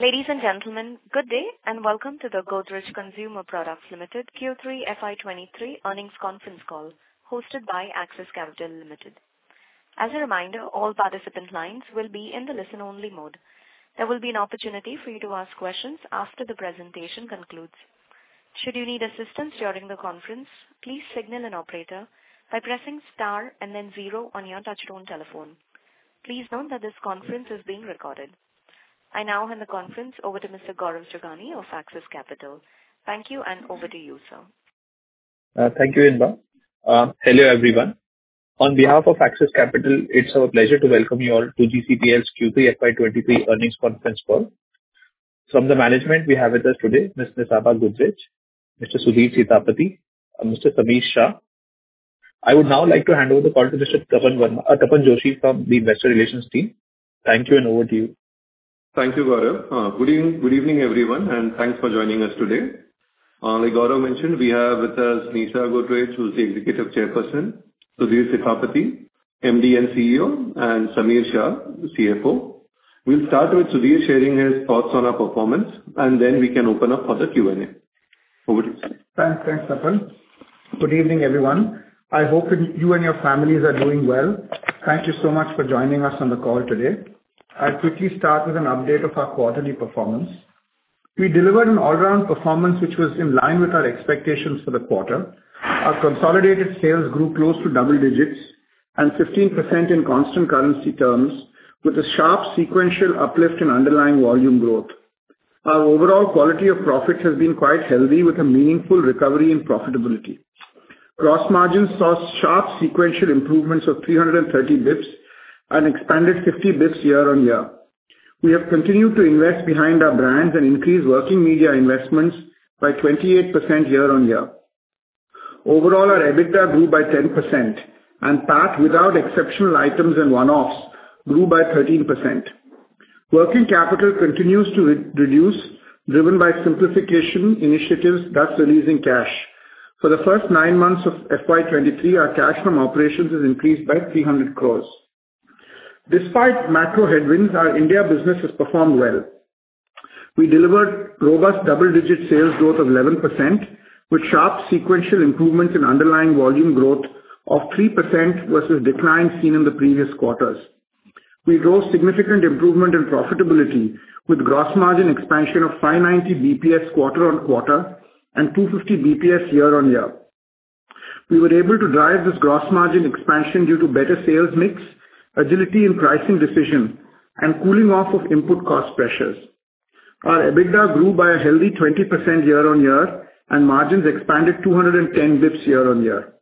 Ladies and gentlemen, good day, and welcome to the Godrej Consumer Products Limited Q3 FY 2023 earnings conference call, hosted by Axis Capital Limited. As a reminder, all participant lines will be in the listen-only mode. There will be an opportunity for you to ask questions after the presentation concludes. Should you need assistance during the conference, please signal an operator by pressing star and then zero on your touchtone telephone. Please note that this conference is being recorded. I now hand the conference over to Mr. Gaurav Jogani of Axis Capital. Thank you, and over to you, sir. Thank you, Inba. Hello, everyone. On behalf of Axis Capital, it's our pleasure to welcome you all to GCPL's Q3 FY23 earnings conference call. From the management we have with us today, Ms. Nisaba Godrej, Mr. Sudhir Sitapati, and Mr. Sameer Shah. I would now like to hand over the call to Mr. Tapan Joshi from the investor relations team. Thank you. Over to you. Thank you, Gaurav. Good evening, everyone, and thanks for joining us today. Like Gaurav mentioned, we have with us Nisaba Godrej, who's the Executive Chairperson, Sudhir Sitapati, MD and CEO, and Sameer Shah, the CFO. We'll start with Sudhir sharing his thoughts on our performance, and then we can open up for the Q&A. Over to you, Sudhir. Thanks. Thanks, Tapan. Good evening, everyone. I hope you and your families are doing well. Thank you so much for joining us on the call today. I'll quickly start with an update of our quarterly performance. We delivered an all-around performance which was in line with our expectations for the quarter. Our consolidated sales grew close to double digits and 15% in constant currency terms with a sharp sequential uplift in underlying volume growth. Our overall quality of profit has been quite healthy with a meaningful recovery in profitability. Gross margin saw sharp sequential improvements of 330 basis points and expanded 50 basis points year-on-year. We have continued to invest behind our brands and increased working media investments by 28% year-on-year. Overall, our EBITDA grew by 10% and PAT without exceptional items and one-offs grew by 13%. Working capital continues to re-reduce, driven by simplification initiatives thus releasing cash. For the first nine months of FY 2023, our cash from operations has increased by 300 crores. Despite macro headwinds, our India business has performed well. We delivered robust double-digit sales growth of 11% with sharp sequential improvements in underlying volume growth of 3% versus decline seen in the previous quarters. We drove significant improvement in profitability with gross margin expansion of 590 basis points quarter-on-quarter and 250 basis points year-on-year. We were able to drive this gross margin expansion due to better sales mix, agility in pricing decisions, and cooling off of input cost pressures. Our EBITDA grew by a healthy 20% year-on-year, and margins expanded 210 basis points year-on-year.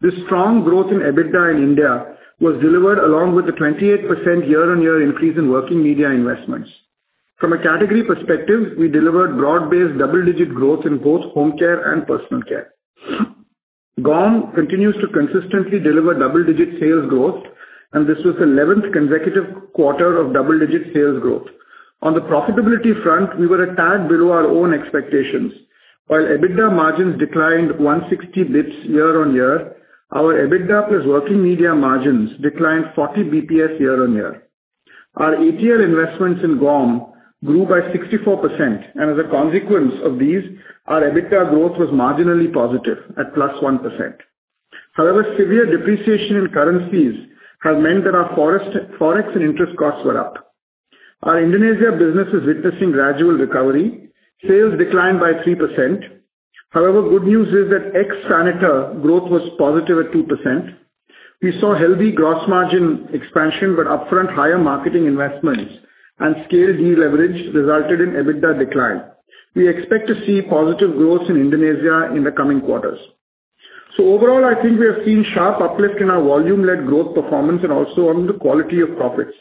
This strong growth in EBITDA in India was delivered along with a 28% year-on-year increase in working media investments. From a category perspective, we delivered broad-based double-digit growth in both home care and personal care. GOM continues to consistently deliver double-digit sales growth, and this was the 11th consecutive quarter of double-digit sales growth. On the profitability front, we were a tad below our own expectations. While EBITDA margins declined 160 basis points year-on-year, our EBITDA plus working media margins declined 40 basis points year-on-year. Our ATR investments in GOM grew by 64%. As a consequence of these, our EBITDA growth was marginally positive at +1%. Severe depreciation in currencies has meant that our forex and interest costs were up. Our Indonesia business is witnessing gradual recovery. Sales declined by 3%. Good news is that ex Saniter growth was positive at 2%. We saw healthy gross margin expansion, upfront higher marketing investments and scale deleverage resulted in EBITDA decline. We expect to see positive growth in Indonesia in the coming quarters. Overall, I think we have seen sharp uplift in our volume-led growth performance and also on the quality of profits.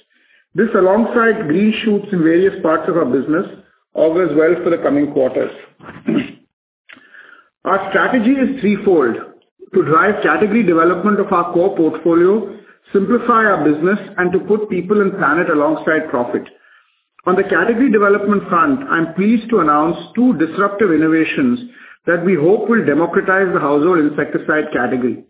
This alongside green shoots in various parts of our business augurs well for the coming quarters. Our strategy is threefold: To drive category development of our core portfolio, simplify our business, and to put people and planet alongside profit. On the category development front, I'm pleased to announce two disruptive innovations that we hope will democratize the household insecticide category.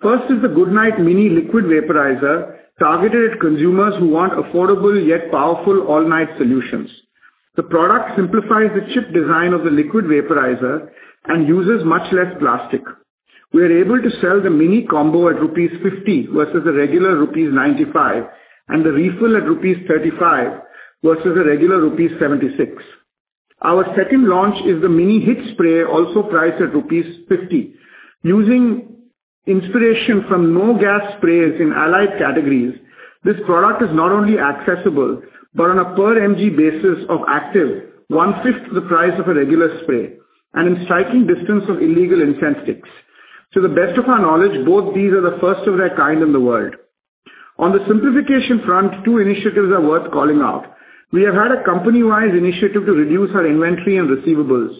First is the Goodknight Mini Liquid Vaporizer, targeted at consumers who want affordable yet powerful all-night solutions. The product simplifies the chip design of the liquid vaporizer and uses much less plastic. We are able to sell the mini combo at rupees 50 versus the regular rupees 95, and the refill at rupees 35 versus the regular rupees 76. Our second launch is the Mini HIT Spray, also priced at rupees 50. Using inspiration from no-gas sprays in allied categories, this product is not only accessible, but on a per MG basis of active, one-fifth the price of a regular spray and in striking distance of illegal incense sticks. To the best of our knowledge, both these are the first of their kind in the world. On the simplification front, two initiatives are worth calling out. We have had a company-wide initiative to reduce our inventory and receivables.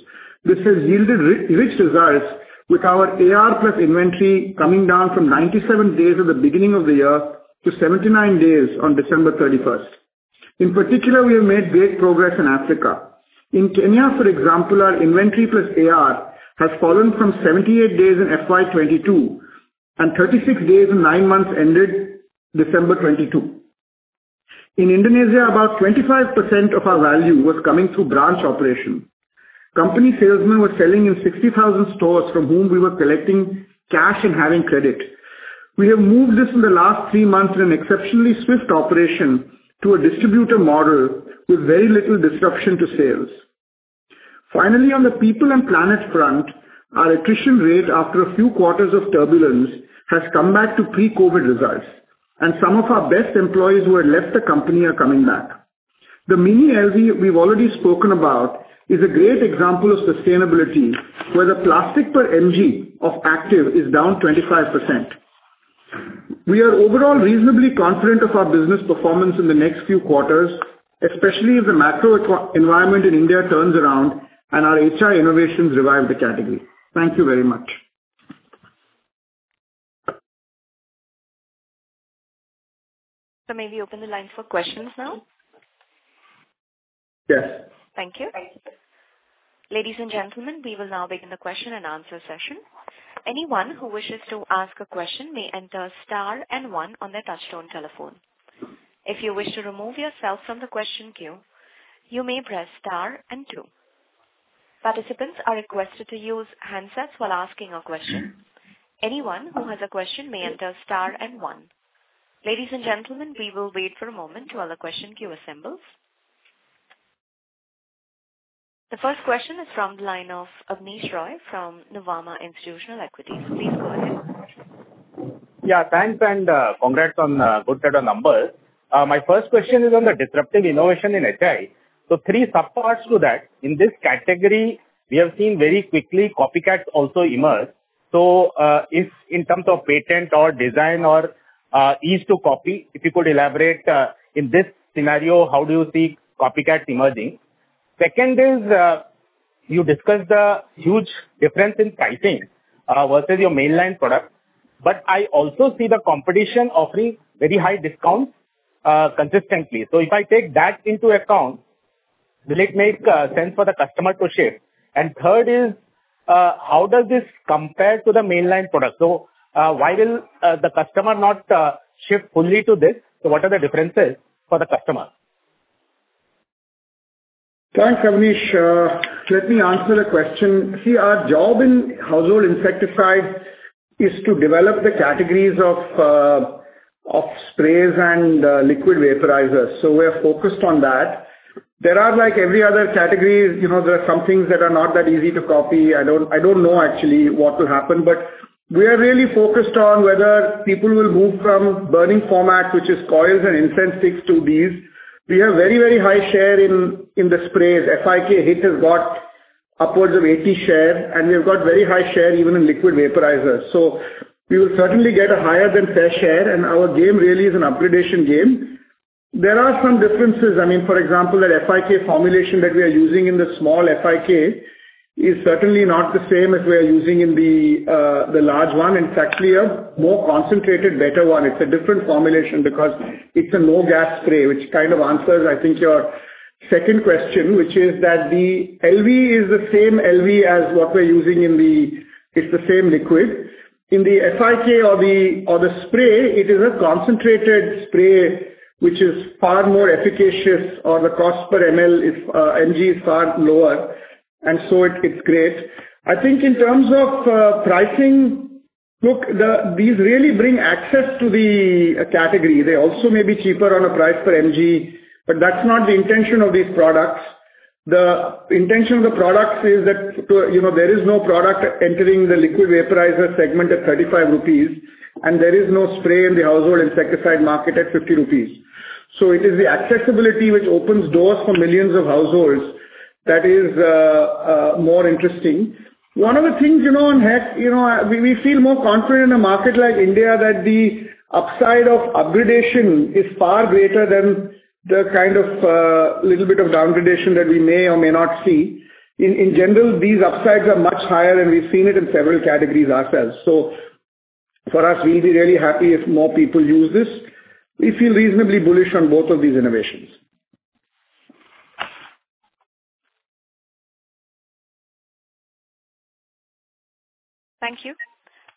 This has yielded rich results with our AR plus inventory coming down from 97 days at the beginning of the year to 79 days on December 31st. In particular, we have made great progress in Africa. In Kenya, for example, our inventory plus AR has fallen from 78 days in FY 2022 and 36 days in nine months ended December 2022. In Indonesia, about 25% of our value was coming through branch operation. Company salesmen were selling in 60,000 stores from whom we were collecting cash and having credit. We have moved this in the last three months in an exceptionally swift operation to a distributor model with very little disruption to sales. Finally, on the people and planet front, our attrition rate after a few quarters of turbulence has come back to pre-COVID results, and some of our best employees who had left the company are coming back. The mini LV we've already spoken about is a great example of sustainability, where the plastic per MG of Active is down 25%. We are overall reasonably confident of our business performance in the next few quarters, especially if the macro eco-environment in India turns around and our HI innovations revive the category. Thank you very much. May we open the line for questions now? Yes. Thank you. Ladies and gentlemen, we will now begin the question-and-answer session. Anyone who wishes to ask a question may enter star one on their touchtone telephone. If you wish to remove yourself from the question queue, you may press star two. Participants are requested to use handsets while asking a question. Anyone who has a question may enter star one. Ladies and gentlemen, we will wait for a moment while the question queue assembles. The first question is from the line of Abneesh Roy from Nuvama Institutional Equities. Please go ahead. Thanks, congrats on a good set of numbers. My first question is on the disruptive innovation in HI. Three sub-parts to that. In this category, we have seen very quickly copycats also emerge. If in terms of patent or design or ease to copy, if you could elaborate in this scenario, how do you see copycats emerging? Second is, you discussed the huge difference in pricing versus your mainline product, but I also see the competition offering very high discounts consistently. If I take that into account, will it make sense for the customer to shift? Third is, how does this compare to the mainline product? Why will the customer not shift fully to this? What are the differences for the customer? Thanks, Abneesh. Let me answer the question. See, our job in household insecticide is to develop the categories of sprays and liquid vaporizers, so we're focused on that. There are like every other category, you know, there are some things that are not that easy to copy. I don't know actually what will happen, but we are really focused on whether people will move from burning formats, which is coils and incense sticks, to these. We have very high share in the sprays. HIT has got upwards of 80 share, and we have got very high share even in liquid vaporizers. We will certainly get a higher than fair share, and our game really is an upgradation game. There are some differences. I mean, for example, that HIT formulation that we are using in the small HIT is certainly not the same as we are using in the large one. In fact, we have more concentrated better one. It's a different formulation because it's a no-gas spray, which kind of answers, I think, your second question, which is that the LV is the same LV. It's the same liquid. In the HIT or the, or the spray, it is a concentrated spray which is far more efficacious or the cost per ML is MG is far lower, and so it's great. I think in terms of pricing, look, these really bring access to the category. They also may be cheaper on a price per MG, but that's not the intention of these products. The intention of the products is that to, you know, there is no product entering the liquid vaporizer segment at 35 rupees, and there is no spray in the household insecticide market at 50 rupees. It is the accessibility which opens doors for millions of households that is more interesting. One of the things, you know, on hand, you know, we feel more confident in a market like India that the upside of upgradation is far greater than the kind of little bit of downgradation that we may or may not see. In general, these upsides are much higher than we've seen it in several categories ourselves. For us, we'll be really happy if more people use this. We feel reasonably bullish on both of these innovations. Thank you.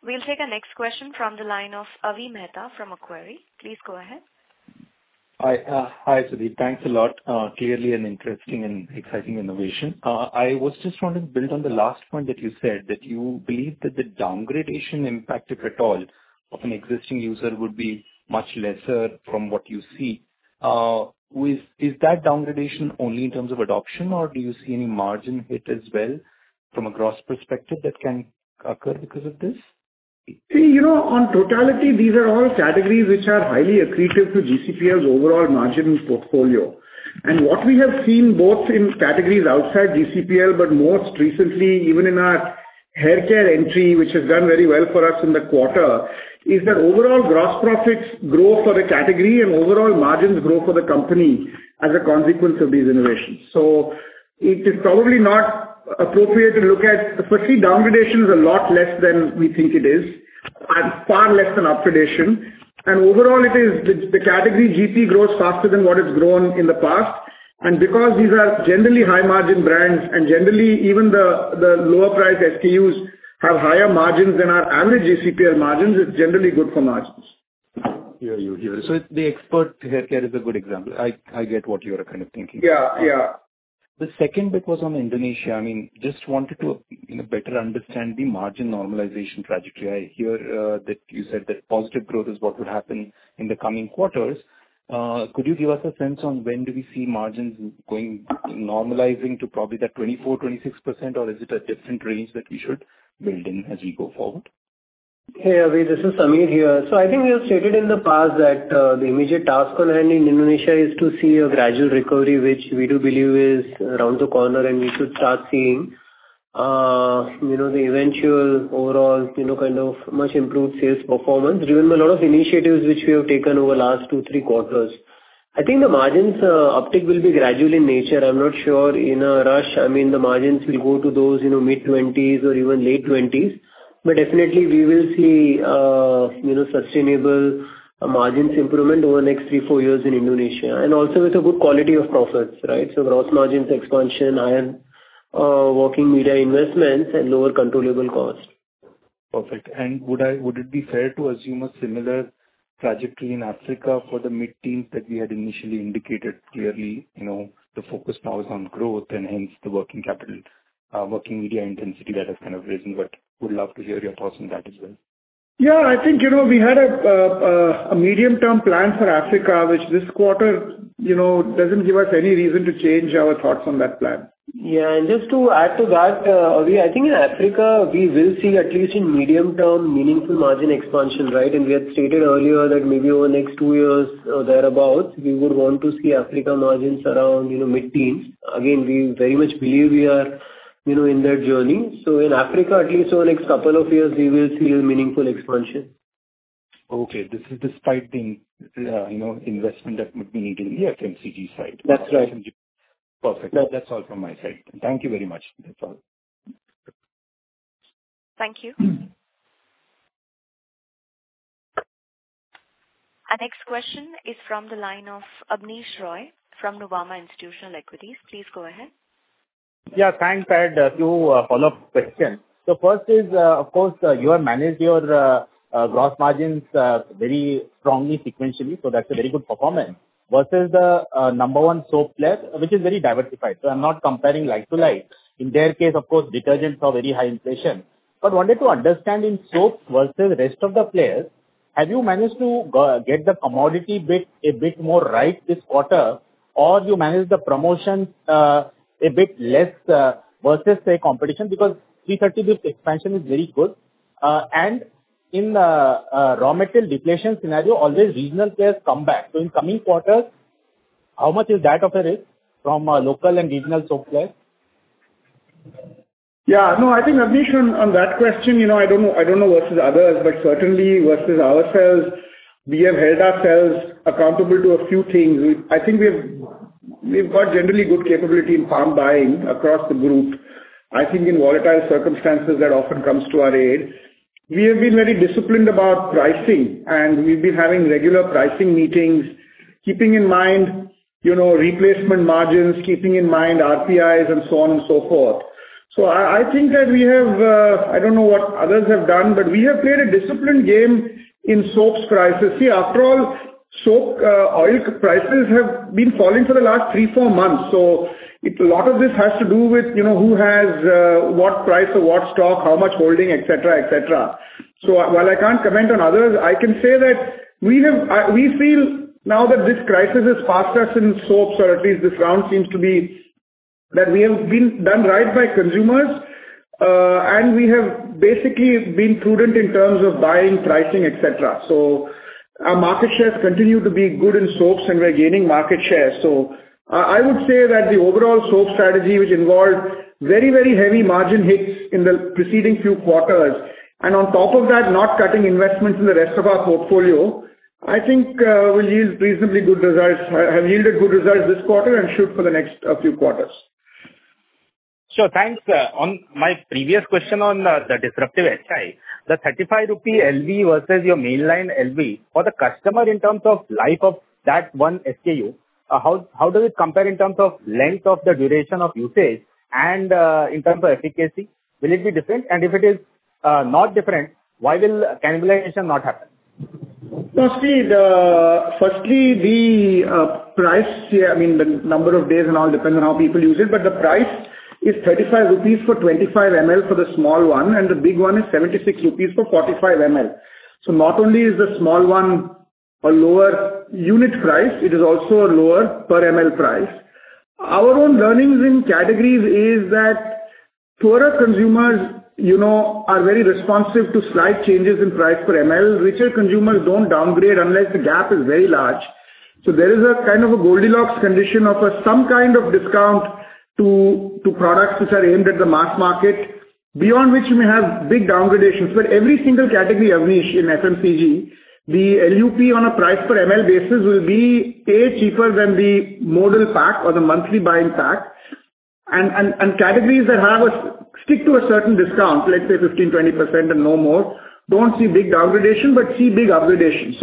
We'll take our next question from the line of Avi Mehta from Macquarie. Please go ahead. Hi. Hi, Sudhir. Thanks a lot. Clearly an interesting and exciting innovation. I was just wanting to build on the last point that you said that you believe that the downgradation impact, if at all, of an existing user would be much lesser from what you see. Is that downgradation only in terms of adoption, or do you see any margin hit as well from a gross perspective that can occur because of this? See, you know, on totality, these are all categories which are highly accretive to GCPL's overall margin portfolio. What we have seen both in categories outside GCPL, but most recently even in our haircare entry, which has done very well for us in the quarter, is that overall gross profits grow for a category and overall margins grow for the company as a consequence of these innovations. It is probably not appropriate to look at. Firstly, downgradation is a lot less than we think it is and far less than upgradation. Overall it is the category GP grows faster than what it's grown in the past. Because these are generally high margin brands, and generally even the lower price SKUs have higher margins than our average ACPR margins, it's generally good for margins. Hear you. The expert haircare is a good example. I get what you are kind of thinking. Yeah. Yeah. The second bit was on Indonesia. I mean, just wanted to, you know, better understand the margin normalization trajectory. I hear that you said that positive growth is what would happen in the coming quarters. Could you give us a sense on when do we see margins normalizing to probably that 24%-26%, or is it a different range that we should build in as we go forward? Hey, Avi, this is Sameer here. I think we have stated in the past that the immediate task on hand in Indonesia is to see a gradual recovery, which we do believe is around the corner, and we should start seeing, you know, the eventual overall, you know, kind of much improved sales performance driven by a lot of initiatives which we have taken over last two, three quarters. I think the margins uptick will be gradual in nature. I'm not sure in a rush. I mean, the margins will go to those, you know, mid-twenties or even late twenties. Definitely we will see, you know, sustainable margins improvement over the next three, four years in Indonesia. Also with a good quality of profits, right? Gross margins expansion and working media investments and lower controllable costs. Perfect. Would it be fair to assume a similar trajectory in Africa for the mid-teens that we had initially indicated? Clearly, you know, the focus now is on growth and hence the working capital, working media intensity that has kind of risen. Would love to hear your thoughts on that as well. Yeah, I think, you know, we had a medium-term plan for Africa, which this quarter, you know, doesn't give us any reason to change our thoughts on that plan. Yeah. Just to add to that, Avi, I think in Africa, we will see at least in medium-term, meaningful margin expansion, right? We had stated earlier that maybe over the next two years or thereabout, we would want to see Africa margins around, you know, mid-teens. Again, we very much believe we are, you know, in that journey. In Africa, at least over the next couple of years, we will see a meaningful expansion. Okay. This is despite the, you know, investment that would be needed in the FMCG side. That's right. Perfect. No. That's all from my side. Thank you very much. That's all. Thank you. Our next question is from the line of Abneesh Roy from Nuvama Institutional Equities. Please go ahead. Yeah, thanks. I had a few follow-up questions. First is, of course, you have managed your gross margins very strongly sequentially, so that's a very good performance. Versus the number one soap player, which is very diversified, so I'm not comparing like to like. In their case, of course, detergents have very high inflation. Wanted to understand in soaps versus rest of the players, have you managed to get the commodity bit a bit more right this quarter? You managed the promotions a bit less versus, say, competition? 330 this expansion is very good. In the raw material deflation scenario, always regional players come back. In coming quarters, how much is that of a risk from local and regional soap players? Yeah. No, I think, Abneesh, on that question, you know, I don't, I don't know versus others, but certainly versus ourselves, we have held ourselves accountable to a few things. I think we've got generally good capability in palm buying across the group. I think in volatile circumstances that often comes to our aid. We have been very disciplined about pricing, and we've been having regular pricing meetings, keeping in mind, you know, replacement margins, keeping in mind RPIs and so on and so forth. I think that we have, I don't know what others have done, but we have played a disciplined game in soaps crisis. After all, soap, oil prices have been falling for the last three, four months. It's... a lot of this has to do with, you know, who has what price or what stock, how much holding, et cetera, et cetera. While I can't comment on others, I can say that we have... we feel now that this crisis has passed us in soaps, or at least this round seems to be, that we have been done right by consumers. We have basically been prudent in terms of buying, pricing, et cetera. Our market shares continue to be good in soaps, and we're gaining market share. I would say that the overall soap strategy, which involved very, very heavy margin hits in the preceding few quarters, and on top of that, not cutting investments in the rest of our portfolio, I think, have yielded good results this quarter and should for the next few quarters. Sure. Thanks. On my previous question on, the disruptive HI, the 35 rupee LV versus your mainline LV, for the customer in terms of life of that one SKU, how does it compare in terms of length of the duration of usage and, in terms of efficacy? Will it be different? If it is not different, why will cannibalization not happen? No, see the firstly, the price, I mean, the number of days and all depends on how people use it, but the price is 35 rupees for 25 ml for the small one, and the big one is 76 rupees for 45 ml. Not only is the small one a lower unit price, it is also a lower per ml price. Our own learnings in categories is that poorer consumers, you know, are very responsive to slight changes in price per ml. Richer consumers don't downgrade unless the gap is very large. There is a kind of a Goldilocks condition of some kind of discount to products which are aimed at the mass market, beyond which you may have big downgradations. For every single category, Abneesh, in FMCG, the LUP on a price per ml basis will be cheaper than the modal pack or the monthly buying pack. And categories that have stick to a certain discount, let's say 15%-20% and no more, don't see big degradation, but see big upgradation.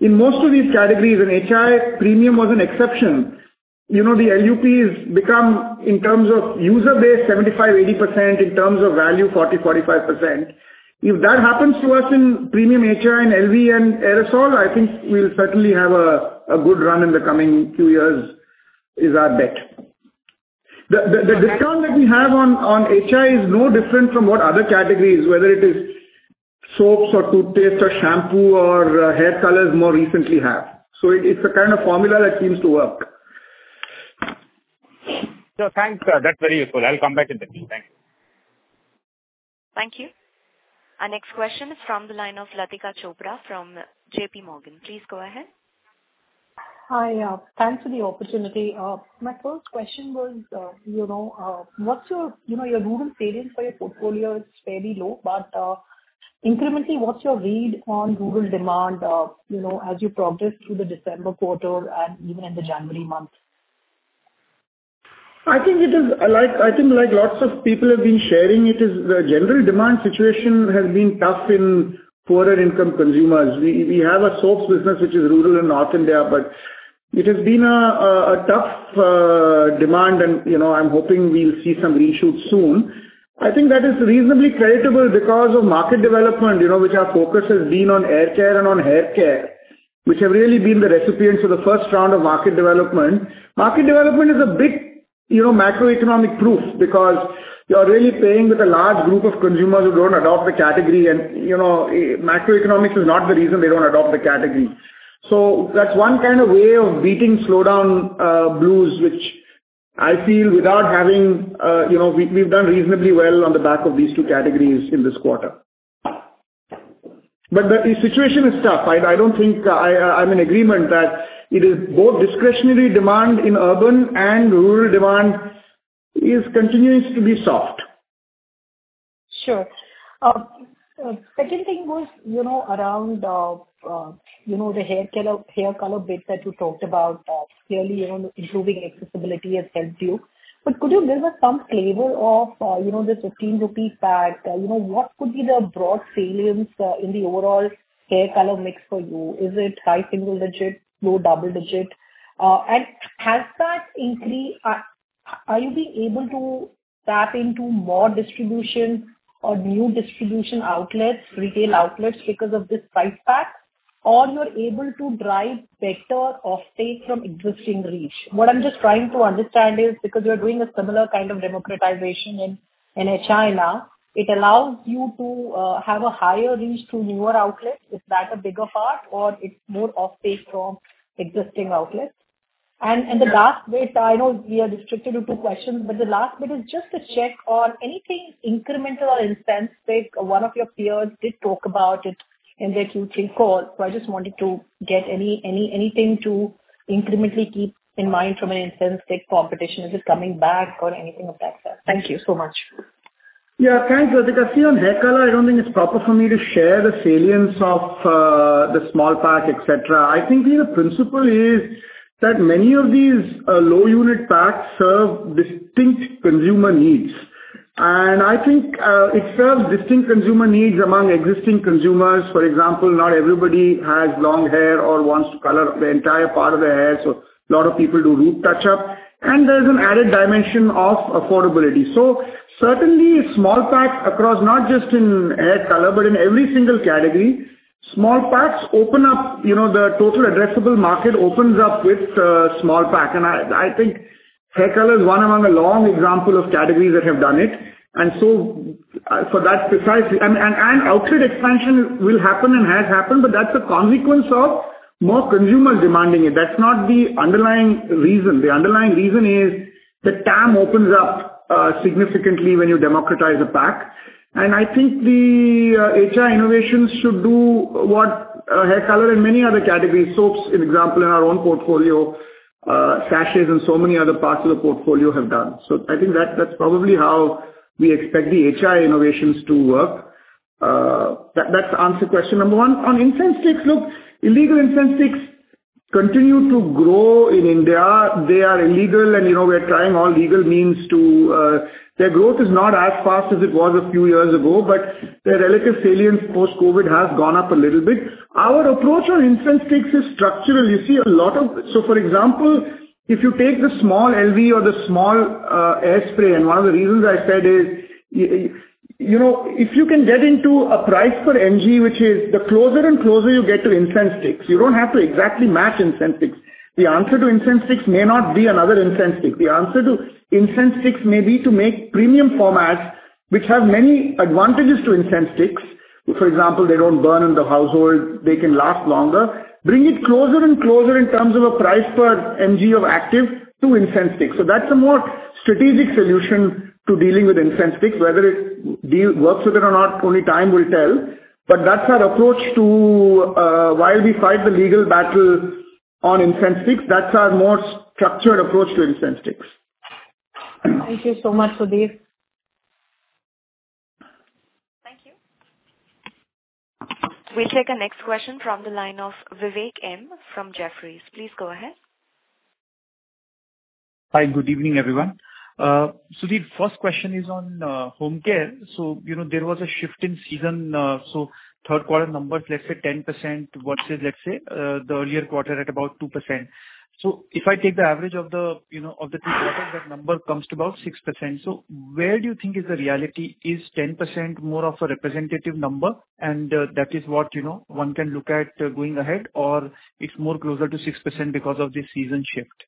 In most of these categories, and HI Premium was an exception, you know, the LUPs become, in terms of user base, 75%-80%. In terms of value, 40%-45%. If that happens to us in Premium HI and LV and aerosol, I think we'll certainly have a good run in the coming two years, is our bet. The discount that we have on HI is no different from what other categories, whether it is soaps or toothpaste or shampoo or hair colors more recently have. It's a kind of formula that seems to work. Thanks. That's very useful. I'll come back in the queue. Thank you. Thank you. Our next question is from the line of Latika Chopra from JPMorgan. Please go ahead. Hi. Thanks for the opportunity. My first question was, you know, what's your... You know, your rural salience for your portfolio is fairly low. But, incrementally, what's your read on rural demand, you know, as you progress through the December quarter and even in the January month? I think like lots of people have been sharing, it is the general demand situation has been tough in poorer income consumers. We have a soaps business which is rural in North India, but it has been a tough demand. You know, I'm hoping we'll see some reshoot soon. I think that is reasonably creditable because of market development, you know, which our focus has been on air care and on hair care, which have really been the recipients of the first round of market development. Market development is a big, you know, macroeconomic proof because you are really playing with a large group of consumers who don't adopt the category. You know, macroeconomics is not the reason they don't adopt the category. That's one kind of way of beating slowdown blues, which I feel without having. You know, we've done reasonably well on the back of these two categories in this quarter. The, the situation is tough. I don't think I'm in agreement that it is both discretionary demand in urban and rural demand is continues to be soft. Sure. Second thing was, you know, around the hair color, hair color bit that you talked about. Clearly, you know, improving accessibility has helped you. But could you give us some flavor of, you know, this 15 rupee pack? You know, what could be the broad salience in the overall hair color mix for you? Is it high single digit, low double digit? And has that increased? Are you able to tap into more distribution or new distribution outlets, retail outlets because of this price pack? Or you're able to drive better off take from existing reach? What I'm just trying to understand is because you're doing a similar kind of democratization in HI now, it allows you to have a higher reach to newer outlets. Is that a bigger part or it's more off take from existing outlets? The last bit, I know we are restricted to two questions, but the last bit is just to check on anything incremental or incense sticks. One of your peers did talk about it in their Q3 call. I just wanted to get any, anything to incrementally keep in mind from an incense stick competition. Is it coming back or anything of that sort? Thank you so much. Thanks, Latika. See, on hair color, I don't think it's proper for me to share the salience of the small pack, et cetera. I think the principle is that many of these low unit packs serve distinct consumer needs. I think it serves distinct consumer needs among existing consumers. For example, not everybody has long hair or wants to color the entire part of their hair, so a lot of people do root touch-up. There's an added dimension of affordability. Certainly small packs across, not just in hair color, but in every single category, small packs open up, you know, the total addressable market opens up with a small pack. I think hair color is one among a long example of categories that have done it. For that precise... Outlet expansion will happen and has happened, but that's a consequence of more consumers demanding it. That's not the underlying reason. The underlying reason is the TAM opens up significantly when you democratize a pack. I think the HI innovations should do what hair color and many other categories, soaps, in example, in our own portfolio, sachets and so many other parts of the portfolio have done. I think that's probably how we expect the HI innovations to work. That's answer to question number one. On incense sticks, look, illegal incense sticks continue to grow in India. They are illegal and, you know, we're trying all legal means to... Their growth is not as fast as it was a few years ago, but their relative salience post-COVID has gone up a little bit. Our approach on incense sticks is structural. You see. For example, if you take the small LV or the small air spray, one of the reasons I said is, you know, if you can get into a price per mg, which is the closer and closer you get to incense sticks, you don't have to exactly match incense sticks. The answer to incense sticks may not be another incense stick. The answer to incense sticks may be to make premium formats which have many advantages to incense sticks. For example, they don't burn in the household, they can last longer. Bring it closer and closer in terms of a price per mg of active to incense sticks. That's a more strategic solution to dealing with incense sticks. Whether it works or not, only time will tell. That's our approach to, while we fight the legal battle on incense sticks, that's our more structured approach to incense sticks. Thank you so much, Sudhir. We'll take our next question from the line of Vivek Maheshwari from Jefferies. Please go ahead. Hi, good evening, everyone. The first question is on home care. You know, there was a shift in season, third-quarter numbers, let's say 10% versus, let's say, the earlier quarter at about 2%. If I take the average of the, you know, of the three quarters, that number comes to about 6%. Where do you think is the reality? Is 10% more of a representative number and, that is what, you know, one can look at going ahead, or it's more closer to 6% because of the season shift?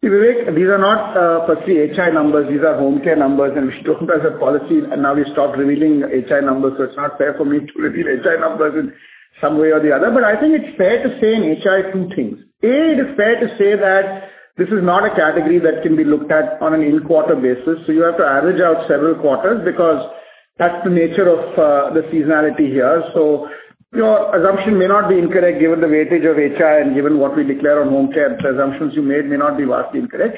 See, Vivek, these are not, firstly HI numbers. These are home care numbers, and we've spoken about our policy, and now we've stopped revealing HI numbers, so it's not fair for me to reveal HI numbers in some way or the other. I think it's fair to say in HI two things. A, it is fair to say that this is not a category that can be looked at on an in-quarter basis, so you have to average out several quarters because that's the nature of the seasonality here. Your assumption may not be incorrect given the weightage of HI and given what we declare on home care. The assumptions you made may not be vastly incorrect.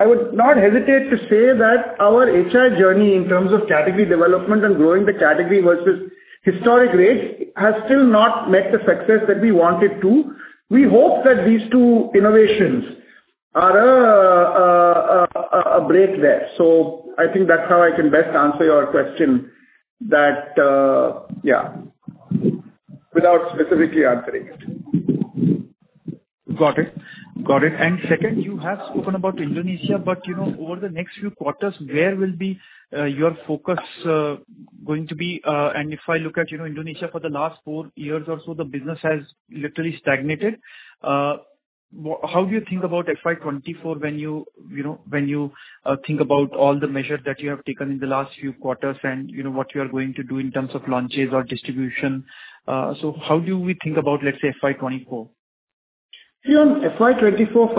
I would not hesitate to say that our HI journey in terms of category development and growing the category versus historic rates has still not met the success that we want it to. We hope that these two innovations are a break there. I think that's how I can best answer your question that, yeah, without specifically answering it. Got it. Got it. Second, you have spoken about Indonesia, but, you know, over the next few quarters, where will be your focus going to be? If I look at, you know, Indonesia for the last four years or so, the business has literally stagnated. How do you think about FY 2024 when you know, when you think about all the measures that you have taken in the last few quarters and, you know, what you are going to do in terms of launches or distribution. How do we think about, let's say, FY 2024? See, on FY 2024.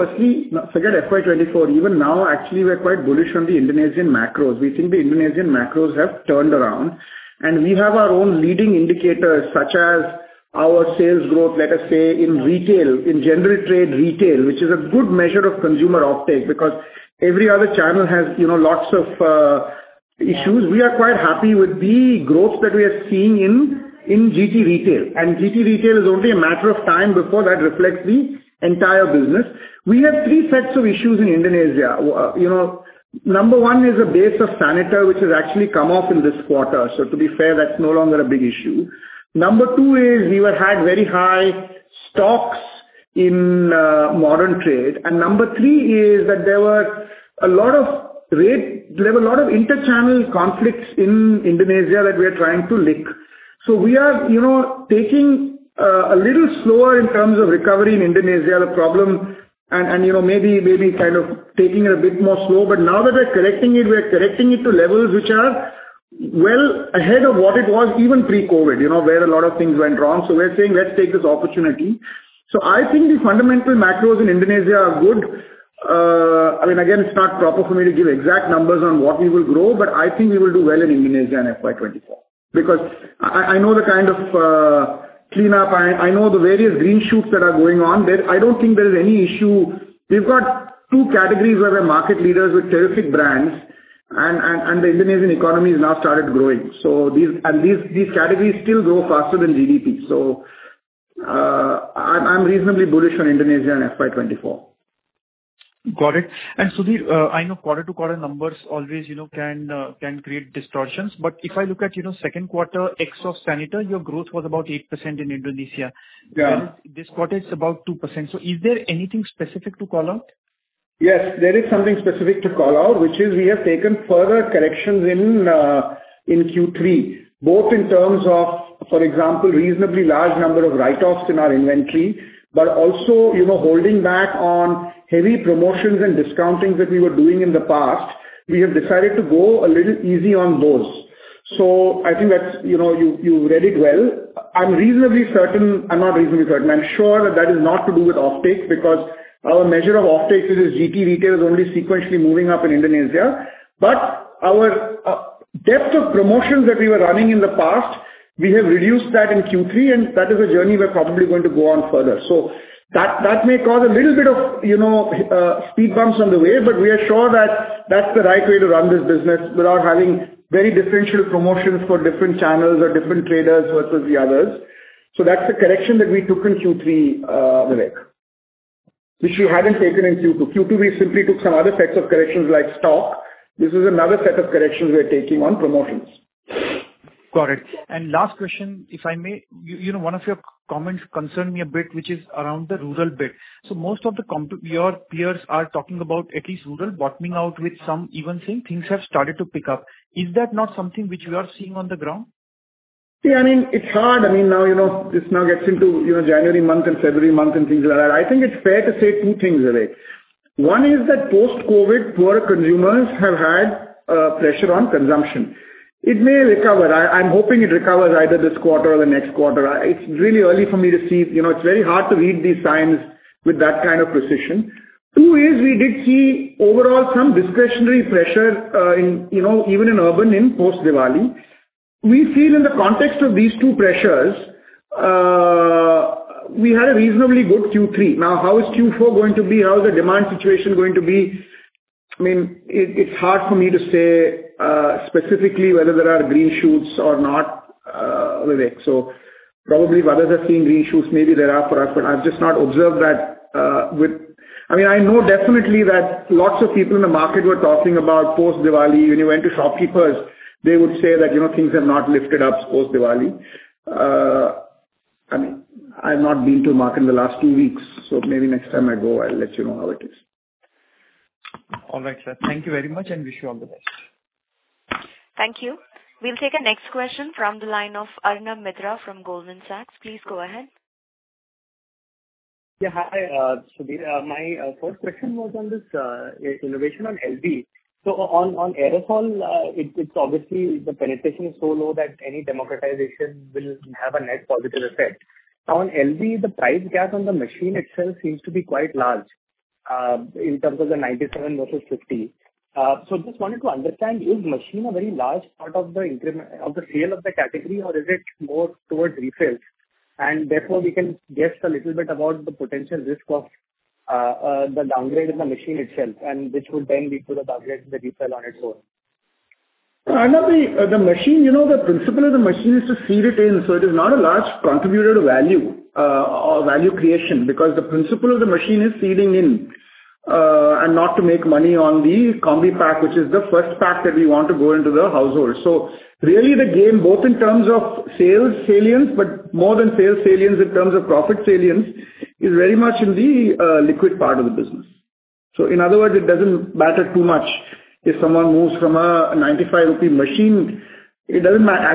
Forget FY 2024, even now, actually, we're quite bullish on the Indonesian macros. We think the Indonesian macros have turned around. We have our own leading indicators such as our sales growth, let us say in retail, in general trade retail, which is a good measure of consumer offtake because every other channel has, you know, lots of issues. We are quite happy with the growth that we are seeing in GT retail, and GT retail is only a matter of time before that reflects the entire business. We have three sets of issues in Indonesia. You know, number one is the base of Saniter, which has actually come off in this quarter. To be fair, that's no longer a big issue. Number two is we had very high stocks in modern trade. Number three is that there were a lot of trade. There were a lot of interchannel conflicts in Indonesia that we are trying to lick. We are, you know, taking a little slower in terms of recovery in Indonesia, the problem and, you know, maybe kind of taking it a bit more slow. Now that we're correcting it, we're correcting it to levels which are well ahead of what it was even pre-COVID, you know, where a lot of things went wrong. We're saying, "Let's take this opportunity." I think the fundamental macros in Indonesia are good. I mean, again, it's not proper for me to give exact numbers on what we will grow, but I think we will do well in Indonesia in FY 2024 because I know the kind of cleanup. I know the various green shoots that are going on there. I don't think there's any issue. We've got two categories where we're market leaders with terrific brands and the Indonesian economy has now started growing. These categories still grow faster than GDP. I'm reasonably bullish on Indonesia in FY 2024. Got it. Sudhir, I know quarter-to-quarter numbers always, you know, can create distortions, but if I look at, you know, second quarter ex of Saniter, your growth was about 8% in Indonesia. Yeah. This quarter it's about 2%. Is there anything specific to call out? Yes, there is something specific to call out, which is we have taken further corrections in in Q3, both in terms of, for example, reasonably large number of write-offs in our inventory, but also, you know, holding back on heavy promotions and discountings that we were doing in the past. We have decided to go a little easy on those. I think that's, you know, you read it well. I'm reasonably certain. I'm not reasonably certain. I'm sure that that is not to do with offtake because our measure of offtake, which is GT retail, is only sequentially moving up in Indonesia. Our depth of promotions that we were running in the past, we have reduced that in Q3, and that is a journey we're probably going to go on further. That may cause a little bit of, you know, speed bumps on the way, but we are sure that that's the right way to run this business without having very differential promotions for different channels or different traders versus the others. That's the correction that we took in Q3, Vivek, which we hadn't taken in Q2. Q2 we simply took some other sets of corrections like stock. This is another set of corrections we are taking on promotions. Got it. Last question, if I may. You know, one of your comments concerned me a bit, which is around the rural bit. Most of your peers are talking about at least rural bottoming out, with some even saying things have started to pick up. Is that not something which you are seeing on the ground? I mean, it's hard. I mean, now, you know, this now gets into, you know, January month and February month and things like that. I think it's fair to say two things, Vivek. One is that post-COVID, poor consumers have had pressure on consumption. It may recover. I'm hoping it recovers either this quarter or the next quarter. It's really early for me to see. You know, it's very hard to read these signs with that kind of precision. Two is we did see overall some discretionary pressure in, you know, even in urban in post-Diwali. We feel in the context of these two pressures, We had a reasonably good Q3. How is Q4 going to be? How is the demand situation going to be? I mean, it's hard for me to say specifically whether there are green shoots or not, Vivek. Probably others are seeing green shoots, maybe there are for us, but I've just not observed that. I mean, I know definitely that lots of people in the market were talking about post-Diwali. When you went to shopkeepers, they would say that, you know, things have not lifted up post-Diwali. I mean, I've not been to market in the last two weeks. Maybe next time I go I'll let you know how it is. All right, sir. Thank you very much, and wish you all the best. Thank you. We'll take a next question from the line of Arnab Mitra from Goldman Sachs. Please go ahead. Yeah, hi, Sudhir. My first question was on this innovation on LV. On aerosol, it's obviously the penetration is so low that any democratization will have a net positive effect. On LV, the price gap on the machine itself seems to be quite large, in terms of the 97 versus 50. Just wanted to understand, is machine a very large part of the sale of the category, or is it more towards refills, and therefore we can guess a little bit about the potential risk of the downgrade in the machine itself, and which would then lead to the downgrade of the refill on its own? Arnav, the machine, you know, the principle of the machine is to seed it in, so it is not a large contributor to value or value creation because the principle of the machine is seeding in and not to make money on the combi pack, which is the first pack that we want to go into the household. Really the game, both in terms of sales salience, but more than sales salience in terms of profit salience, is very much in the liquid part of the business. In other words, it doesn't matter too much if someone moves from a 95 rupee machine. I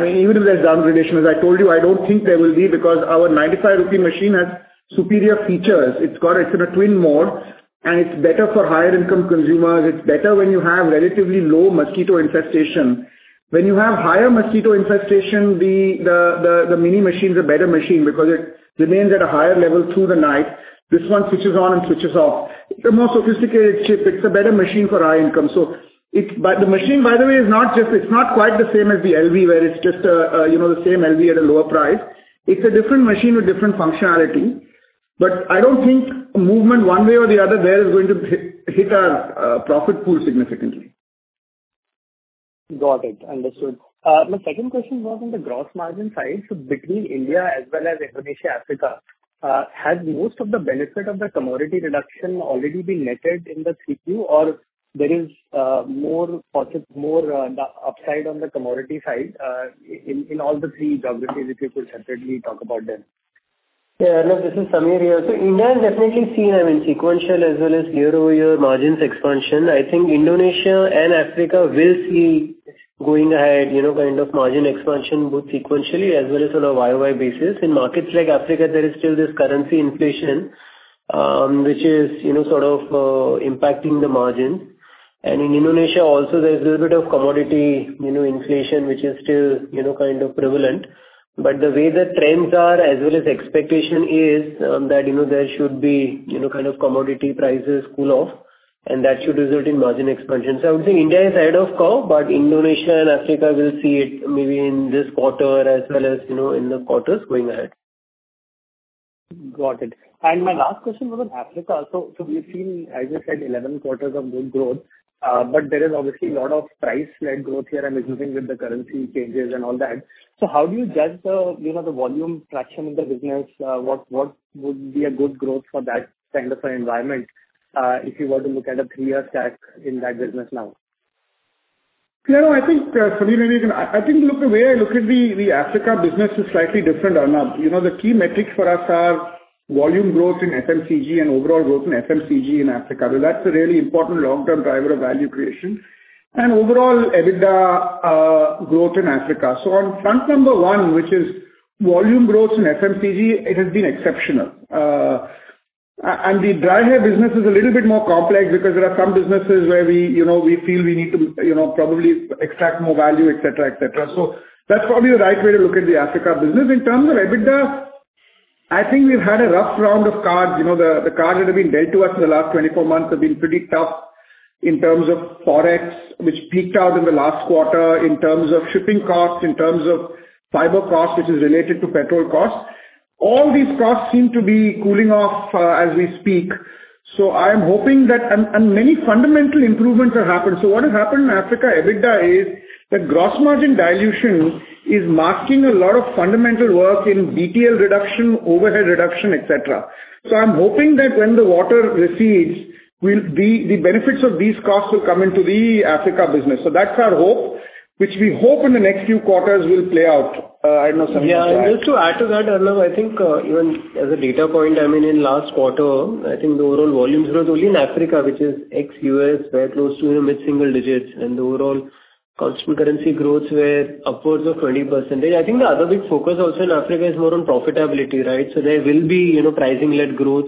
mean, even if there's downgradation, as I told you, I don't think there will be because our 95 rupee machine has superior features. It's got its, in a twin mode, and it's better for higher income consumers. It's better when you have relatively low mosquito infestation. When you have higher mosquito infestation, the mini machine is a better machine because it remains at a higher level through the night. This one switches on and switches off. It's a more sophisticated chip. It's a better machine for high income. The machine, by the way, is not just, it's not quite the same as the LV, where it's just a, you know, the same LV at a lower price. It's a different machine with different functionality. I don't think movement one way or the other there is going to hit our profit pool significantly. Got it. Understood. My second question was on the gross margin side. Between India as well as Indonesia, Africa, has most of the benefit of the commodity reduction already been netted in the Q2, or there is more upside on the commodity side, in all the 3 geographies, if you could separately talk about them? Yeah, Arnab, this is Sameer Shah here. India has definitely seen, I mean, sequential as well as year-over-year margins expansion. I think Indonesia and Africa will see going ahead, you know, kind of margin expansion both sequentially as well as on a YoY basis. In markets like Africa, there is still this currency inflation, which is, you know, sort of, impacting the margins. In Indonesia also there's a little bit of commodity, you know, inflation, which is still, you know, kind of prevalent. The way the trends are as well as expectation is that, you know, there should be, you know, kind of commodity prices cool off, and that should result in margin expansion. I would say India is ahead of curve, but Indonesia and Africa will see it maybe in this quarter as well as, you know, in the quarters going ahead. Got it. My last question was on Africa. We've seen, as you said, 11 quarters of good growth, but there is obviously a lot of price-led growth here and mixing with the currency changes and all that. How do you judge the, you know, the volume traction in the business? What would be a good growth for that kind of an environment, if you were to look at a three-year stack in that business now? Yeah, no, I think, Sameer, look, the way I look at the Africa business is slightly different, Arnav. You know, the key metrics for us are volume growth in FMCG and overall growth in FMCG in Africa. That's a really important long-term driver of value creation. Overall, EBITDA growth in Africa. On front number one, which is volume growth in FMCG, it has been exceptional. And the dry hair business is a little bit more complex because there are some businesses where we, you know, we feel we need to, you know, probably extract more value, et cetera, et cetera. That's probably the right way to look at the Africa business. In terms of EBITDA, I think we've had a rough round of cards. You know, the cards that have been dealt to us in the last 24 months have been pretty tough in terms of Forex, which peaked out in the last quarter, in terms of shipping costs, in terms of fiber costs, which is related to petrol costs. All these costs seem to be cooling off as we speak, so I'm hoping that. Many fundamental improvements have happened. What has happened in Africa EBITDA is that gross margin dilution is masking a lot of fundamental work in BTL reduction, overhead reduction, et cetera. I'm hoping that when the water recedes, the benefits of these costs will come into the Africa business. That's our hope, which we hope in the next few quarters will play out. I don't know, Sameer- Yeah. Just to add to that, Arnab, I think, even as a data point, I mean, in last quarter, I think the overall volumes growth only in Africa, which is ex-U.S., were close to mid-single digits, and the overall constant currency growths were upwards of 20%. I think the other big focus also in Africa is more on profitability, right? There will be, you know, pricing-led growth.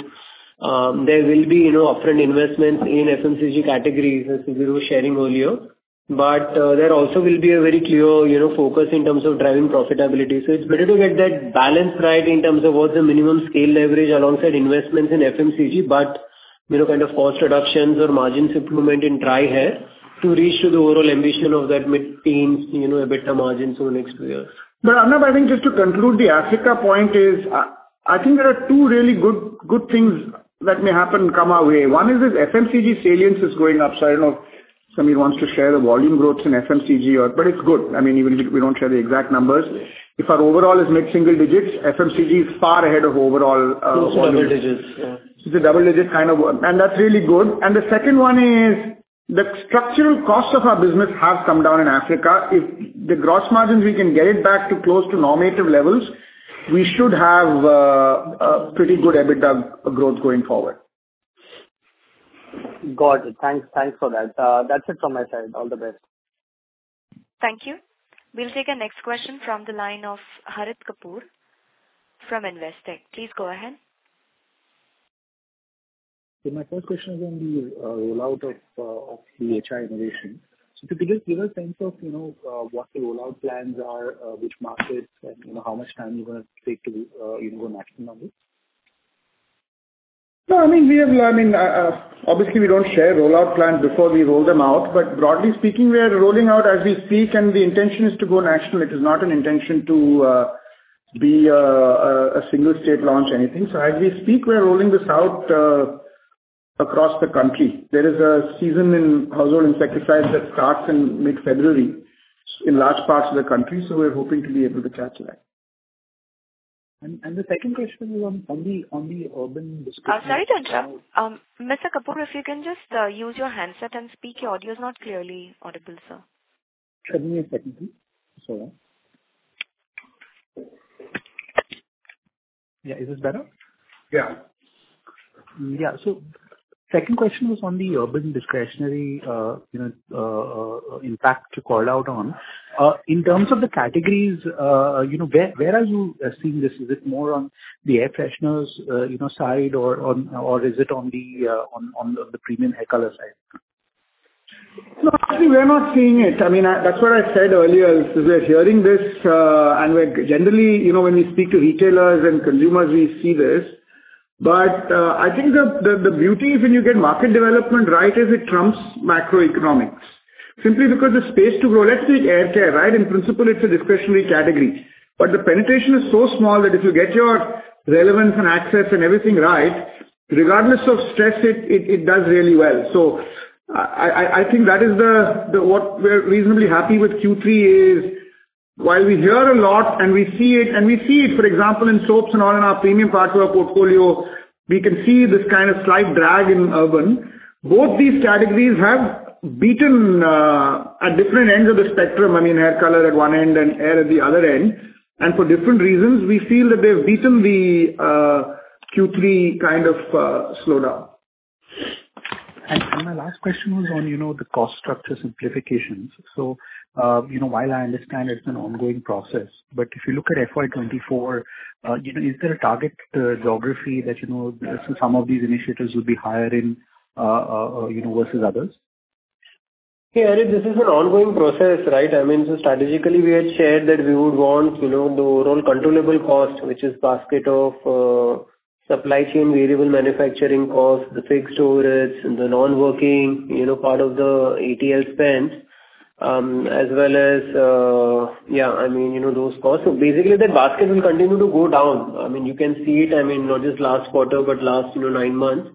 There will be, you know, upfront investments in FMCG categories, as Sudhir was sharing earlier. There also will be a very clear, you know, focus in terms of driving profitability. It's better to get that balance right in terms of what's the minimum scale leverage alongside investments in FMCG, but you know, kind of cost reductions or margin improvement in dry hair to reach to the overall ambition of that mid-teens, you know, EBITDA margins over the next few years. No, Arnab, I think just to conclude the Africa point is, I think there are two really good things that may happen come our way. One is that FMCG salience is going up. I don't know if Sameer wants to share the volume growth in FMCG or... It's good. I mean, even if we don't share the exact numbers. If our overall is mid-single digits, FMCG is far ahead of overall volume. Close to double digits, yeah. It's a double digit kind of... That's really good. The second one is the structural cost of our business has come down in Africa. If the gross margins, we can get it back to close to normative levels, we should have a pretty good EBITDA growth going forward. Got it. Thanks for that. That's it from my side. All the best. Thank you. We'll take our next question from the line of Harit Kapoor from Investec. Please go ahead. My first question is on the rollout of the HI innovation. Could you just give a sense of, you know, what the rollout plans are, which markets and, you know, how much time you wanna take to go national on this? No, I mean, we have learned. Obviously we don't share rollout plan before we roll them out, but broadly speaking, we are rolling out as we speak, and the intention is to go national. It is not an intention to be a single state launch anything. As we speak, we are rolling this out across the country. There is a season in household insecticides that starts in mid-February in large parts of the country, so we're hoping to be able to catch that. The second question is on the urban. Sorry to interrupt. Mr. Kapoor, if you can just, use your handset and speak. Your audio is not clearly audible, sir. Give me a second, please. Sorry. Yeah, is this better? Yeah. Yeah. Second question was on the urban discretionary, you know, impact you called out on. In terms of the categories, you know, where are you seeing this? Is it more on the air fresheners, you know, side or is it on the premium hair color side? No, I think we are not seeing it. I mean, That's what I said earlier, is we're hearing this, Generally, you know, when we speak to retailers and consumers, we see this. I think the, the beauty when you get market development right is it trumps macroeconomics. Simply because the space to grow. Let's take air care, right? In principle, it's a discretionary category, but the penetration is so small that if you get your relevance and access and everything right, regardless of stress, it, it does really well. I, I think that is the What we're reasonably happy with Q3 is, while we hear a lot and we see it, and we see it for example in soaps and all in our premium parts of our portfolio, we can see this kind of slight drag in urban. Both these categories have beaten, at different ends of the spectrum, I mean, hair color at one end and end at the other end. For different reasons, we feel that they've beaten the Q3 kind of slowdown. My last question was on, you know, the cost structure simplifications. You know, while I understand it's an ongoing process, but if you look at FY 2024, you know, is there a target geography that, you know, some of these initiatives will be higher in, you know, versus others? Yeah, Harit, this is an ongoing process, right? I mean, strategically we had shared that we would want, you know, the overall controllable cost, which is basket of supply chain, variable manufacturing costs, the fixed storage, the non-working, you know, part of the ATL spends, as well as, yeah, I mean, you know, those costs. Basically, that basket will continue to go down. I mean, you can see it, I mean, not just last quarter, but last, you know, nine months.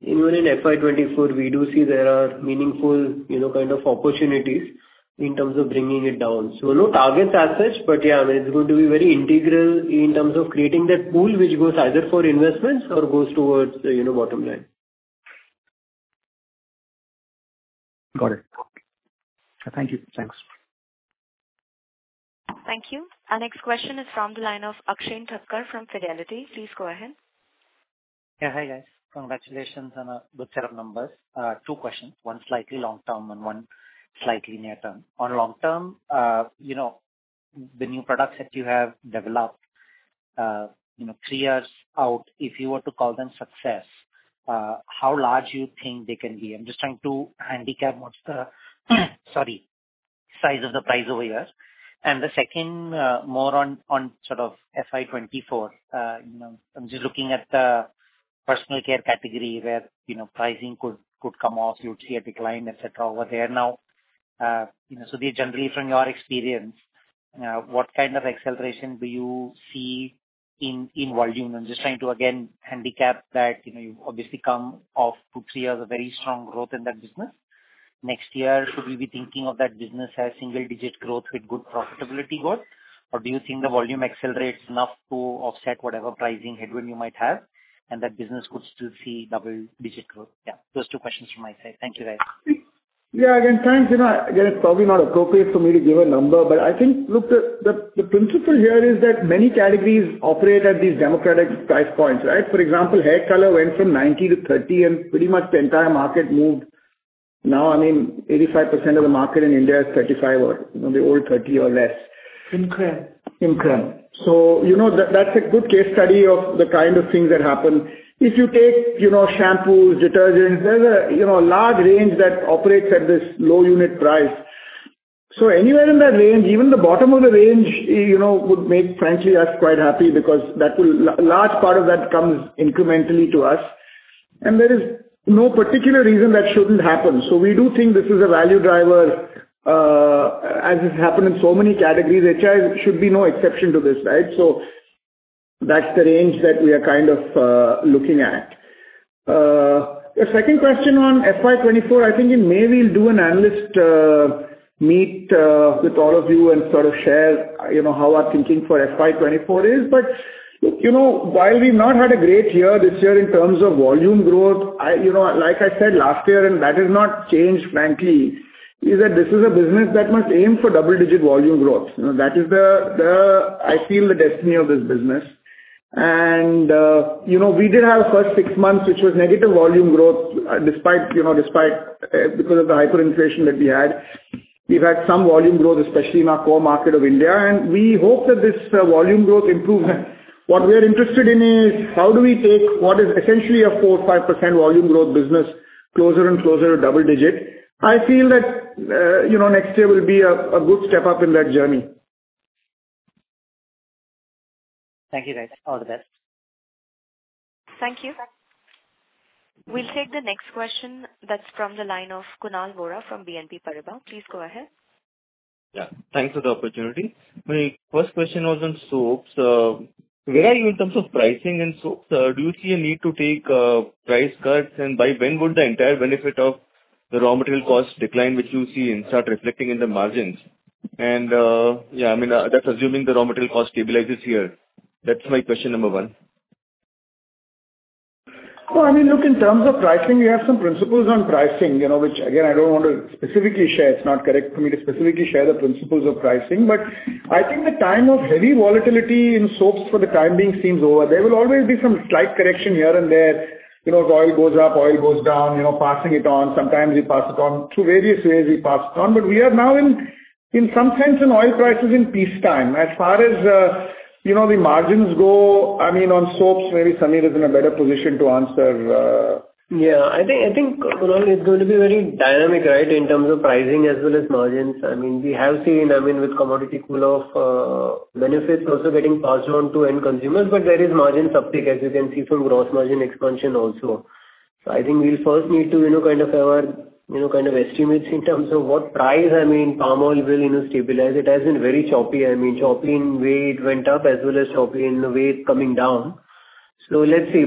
Even in FY 2024, we do see there are meaningful, you know, kind of opportunities in terms of bringing it down. No targets as such, but yeah, I mean, it's going to be very integral in terms of creating that pool which goes either for investments or goes towards, you know, bottom line. Got it. Thank you. Thanks. Thank you. Our next question is from the line of Akshay Thakkar from Fidelity. Please go ahead. Yeah. Hi, guys. Congratulations on a good set of numbers. Two questions, one slightly long term and one slightly near term. On long term, you know, the new products that you have developed, you know, three years out, if you were to call them success, how large do you think they can be? I'm just trying to handicap what's the, sorry, size of the prize over here. The second, more on sort of FY 2024, you know, I'm just looking at the personal care category where, you know, pricing could come off, you would see a decline, et cetera, over there now. You know, generally from your experience, what kind of acceleration do you see in volume? I'm just trying to again handicap that. You know, you've obviously come off two, three years of very strong growth in that business. Next year, should we be thinking of that business as single-digit growth with good profitability growth? Do you think the volume accelerates enough to offset whatever pricing headwind you might have and that business could still see double-digit growth? Yeah, those two questions from my side. Thank you, guys. Yeah. Again, thanks. You know, again, it's probably not appropriate for me to give a number, but I think, look, the, the principle here is that many categories operate at these democratic price points, right? For example, hair color went from 90-30, and pretty much the entire market moved. Now, I mean, 85% of the market in India is 35 or, you know, the old 30 or less. In cream. In cream. you know, that's a good case study of the kind of things that happen. If you take, you know, shampoos, detergents, there's a, you know, large range that operates at this low unit price. anywhere in that range, even the bottom of the range, you know, would make frankly us quite happy because that will large part of that comes incrementally to us, and there is no particular reason that shouldn't happen. we do think this is a value driver, as has happened in so many categories, HI should be no exception to this, right? that's the range that we are kind of looking at. your second question on FY 2024, I think in May we'll do an analyst meet with all of you and sort of share, you know, how our thinking for FY 2024 is. You know, while we've not had a great year this year in terms of volume growth, I, you know, like I said last year, and that has not changed frankly, is that this is a business that must aim for double-digit volume growth. You know, that is the I feel the destiny of this business. You know, we did have a first six months, which was negative volume growth, despite, you know, despite, because of the hyperinflation that we had. We've had some volume growth, especially in our core market of India, and we hope that this volume growth improves. What we are interested in is how do we take what is essentially a 4-5% volume growth business closer and closer to double-digit. I feel that, you know, next year will be a good step-up in that journey. Thank you, guys. All the best. Thank you. We'll take the next question. That's from the line of Kunal Vora from BNP Paribas. Please go ahead. Yeah. Thanks for the opportunity. My first question was on soaps. Where are you in terms of pricing in soaps? Do you see a need to take price cuts? By when would the entire benefit of the raw material cost decline, which you see, and start reflecting in the margins? Yeah, I mean, that's assuming the raw material cost stabilizes here. That's my question number one. Oh, I mean, look, in terms of pricing, we have some principles on pricing, you know, which again, I don't want to specifically share. It's not correct for me to specifically share the principles of pricing. I think the time of heavy volatility in soaps for the time being seems over. There will always be some slight correction here and there. You know, if oil goes up, oil goes down, you know, passing it on. Sometimes we pass it on. Through various ways we pass it on. We are now in some sense in oil prices in peacetime. As far as, you know, the margins go, I mean, on soaps, maybe Sunil is in a better position to answer. Yeah. I think, Kunal, it's going to be very dynamic, right, in terms of pricing as well as margins. I mean, we have seen, I mean, with commodity pull-off, benefits also getting passed on to end consumers, but there is margin uptick, as you can see from gross margin expansion also. I think we'll first need to, you know, kind of have our, you know, kind of estimates in terms of what price, I mean, palm oil will, you know, stabilize. It has been very choppy. I mean, choppy in way it went up as well as choppy in the way it's coming down. Let's see.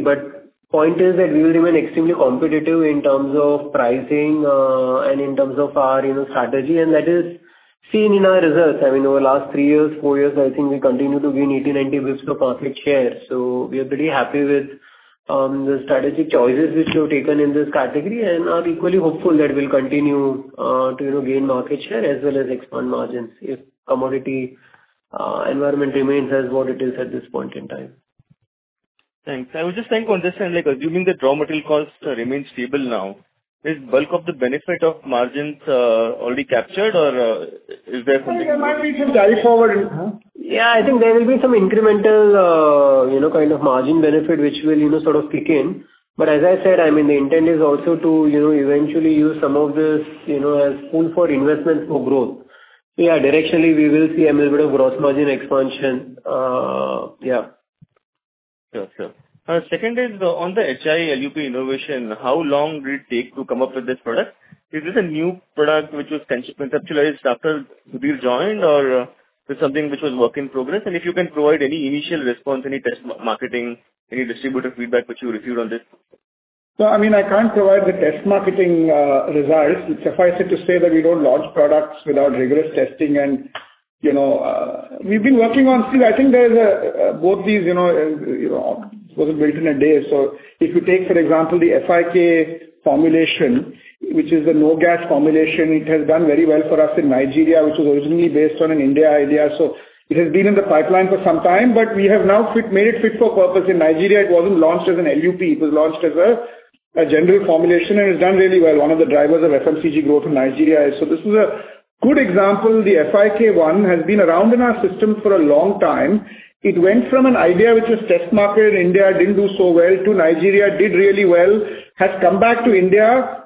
Point is that we will remain extremely competitive in terms of pricing, and in terms of our, you know, strategy, and that is seen in our results. I mean, over the last three years, four years, I think we continue to gain 80, 90 basis of market share. We are pretty happy with the strategic choices which we have taken in this category, and are equally hopeful that we'll continue to, you know, gain market share as well as expand margins if commodity environment remains as what it is at this point in time. Thanks. I was just trying to understand, like assuming the raw material costs remain stable now, is bulk of the benefit of margins already captured or is there? There might be some carry forward. Yeah, I think there will be some incremental, you know, kind of margin benefit which will, you know, sort of kick in. As I said, I mean, the intent is also to, you know, eventually use some of this, you know, as pool for investments for growth. Yeah, directionally we will see a little bit of gross margin expansion. Sure. Sure. Second is on the HI LUP innovation. How long did it take to come up with this product? Is this a new product which was conceptualized after you joined or was something which was work in progress? If you can provide any initial response, any test marketing, any distributor feedback which you received on this? I mean, I can't provide the test marketing results. Suffice it to say that we don't launch products without rigorous testing and, you know, See, I think there is a, both these, you know, you know, wasn't built in a day. If you take, for example, the HIT formulation, which is the no gas formulation, it has done very well for us in Nigeria, which was originally based on an India idea. It has been in the pipeline for some time, but we have now made it fit for purpose. In Nigeria it wasn't launched as an LUP. It was launched as a general formulation and it's done really well. One of the drivers of FMCG growth in Nigeria. This is a good example. The HIT one has been around in our system for a long time. It went from an idea which was test marketed in India, didn't do so well, to Nigeria, did really well, has come back to India.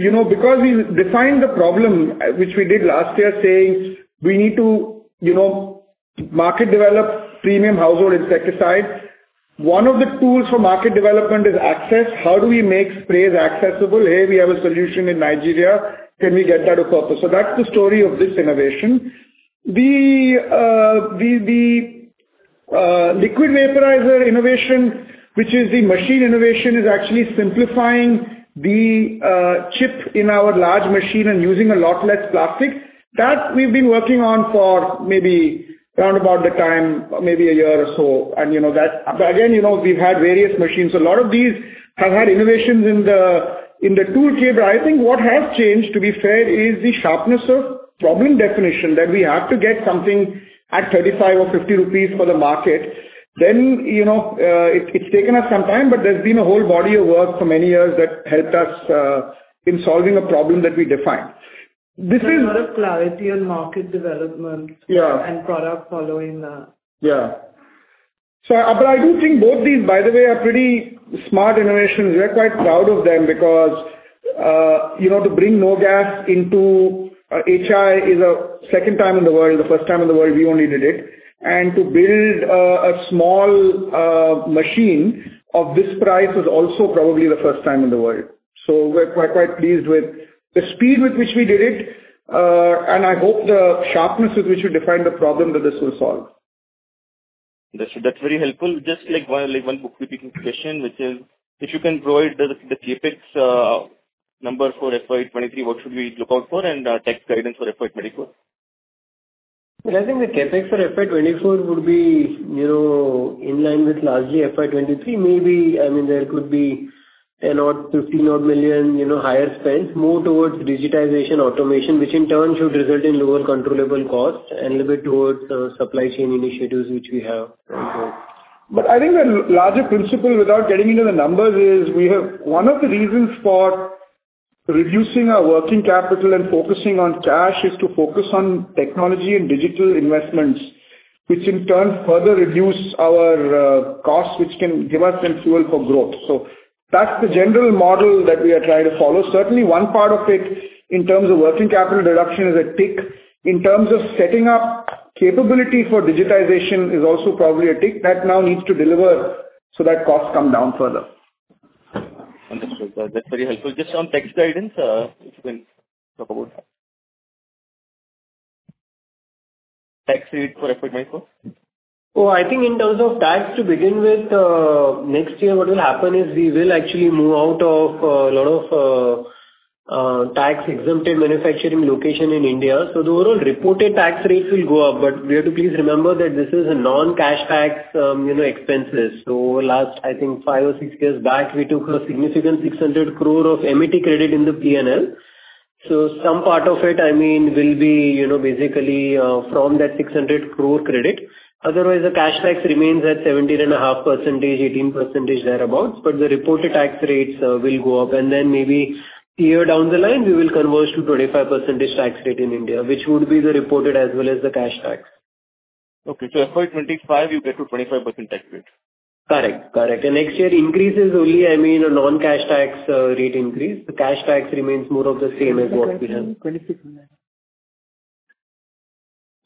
You know, because we defined the problem, which we did last year, saying we need to, you know, market develop premium household insecticides. One of the tools for market development is access. How do we make sprays accessible? Here we have a solution in Nigeria. Can we get that to purpose? That's the story of this innovation. The liquid vaporizer innovation, which is the machine innovation, is actually simplifying the chip in our large machine and using a lot less plastic. That we've been working on for maybe around about the time, maybe a year or so. You know that... Again, you know, we've had various machines. A lot of these have had innovations in the, in the tool chain. I think what has changed, to be fair, is the sharpness of problem definition, that we have to get something at 35 or 50 rupees for the market. You know, it's taken us some time, but there's been a whole body of work for many years that helped us in solving a problem that we defined. There's a lot of clarity on market development. Yeah. Product following that. I do think both these, by the way, are pretty smart innovations. We are quite proud of them because, you know, to bring no gas into HI is a second time in the world. The first time in the world we only did it. To build a small machine of this price is also probably the first time in the world. We're quite pleased with the speed with which we did it, and I hope the sharpness with which you defined the problem that this will solve. That's very helpful. Just like one bookkeeping question, which is if you can provide the CapEx number for FY 2023, what should we look out for? Tax guidance for FY 2024? Well, I think the CapEx for FY 2024 would be, you know, in line with largely FY 2023. Maybe, I mean, there could be an odd 15 odd million, you know, higher spends more towards digitization automation, which in turn should result in lower controllable costs and a little bit towards supply chain initiatives, which we have in place. I think the larger principle, without getting into the numbers, is we have One of the reasons for reducing our working capital and focusing on cash is to focus on technology and digital investments, which in turn further reduce our costs, which can give us some fuel for growth. That's the general model that we are trying to follow. Certainly one part of it in terms of working capital reduction is a tick. In terms of setting up capability for digitization is also probably a tick. That now needs to deliver so that costs come down further. Understood. That's very helpful. Just on tax guidance, if you can talk about that. Tax rate for FY 2024. I think in terms of tax, to begin with, next year what will happen is we will actually move out of a lot of tax-exempted manufacturing location in India. The overall reported tax rates will go up. We have to please remember that this is a non-cash tax, you know, expenses. Last, I think five or six years back, we took a significant 600 crore of MAT credit in the P&L. Some part of it, I mean, will be, you know, basically, from that 600 crore credit. The cash tax remains at 17.5%, 18% thereabout. The reported tax rates will go up and then maybe year down the line we will converge to 25% tax rate in India, which would be the reported as well as the cash tax. Okay. FY 2025 you get to 25% tax rate. Correct. Correct. Next year increases only, I mean, a non-cash tax rate increase. The cash tax remains more of the same as what we have.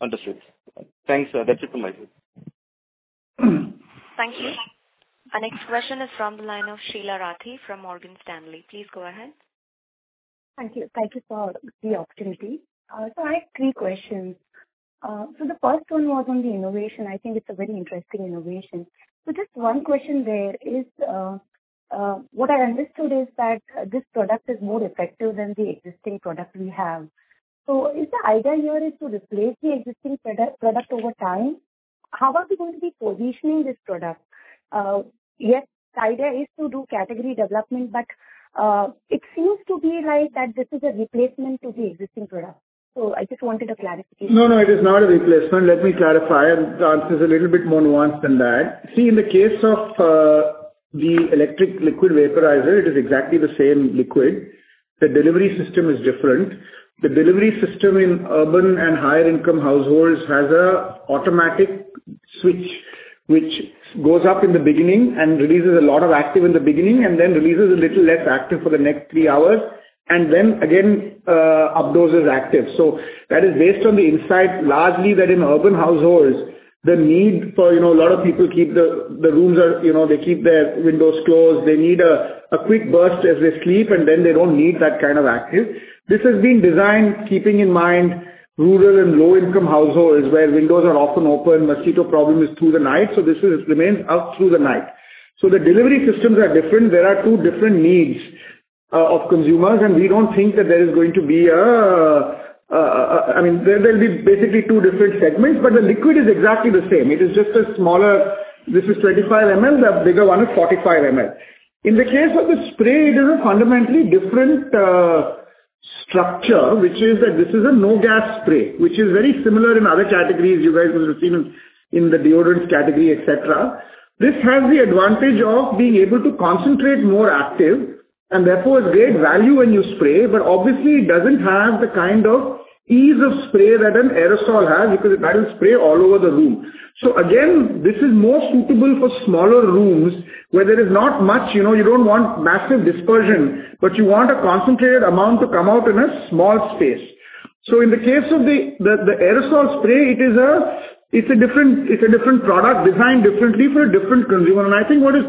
Understood. Thanks. That's it from my side. Thank you. Our next question is from the line of Sheela Rathi from Morgan Stanley. Please go ahead. Thank you. Thank you for the opportunity. I have three questions. The first one was on the innovation. I think it's a very interesting innovation. Just one question there is, what I understood is that this product is more effective than the existing product we have. Is the idea here is to replace the existing product over time? How are we going to be positioning this product? Yes, the idea is to do category development, but, it seems to be like that this is a replacement to the existing product. I just wanted a clarification. No, no, it is not a replacement. Let me clarify. The answer is a little bit more nuanced than that. In the case of the electric liquid vaporizer, it is exactly the same liquid. The delivery system is different. The delivery system in urban and higher income households has an automatic switch which goes up in the beginning and releases a lot of active in the beginning and then releases a little less active for the next 3 hours and then again updoses active. That is based on the insight largely that in urban households the need for, you know, a lot of people the rooms are, you know, they keep their windows closed. They need a quick burst as they sleep, and then they don't need that kind of active. This has been designed keeping in mind rural and low-income households, where windows are often open. Mosquito problem is through the night, so this is, remains up through the night. The delivery systems are different. There are two different needs of consumers, and we don't think that there is going to be, I mean, there will be basically two different segments, but the liquid is exactly the same. It is just a smaller... This is 25 ml, the bigger one is 45 ml. In the case of the spray, it is a fundamentally different structure, which is that this is a no gas spray, which is very similar in other categories you guys would have seen in the deodorants category, et cetera. This has the advantage of being able to concentrate more active and therefore a great value when you spray. Obviously it doesn't have the kind of ease of spray that an aerosol has because that will spray all over the room. Again, this is more suitable for smaller rooms where there is not much, you know, you don't want massive dispersion, but you want a concentrated amount to come out in a small space. In the case of the aerosol spray, it is a different product designed differently for a different consumer. I think what is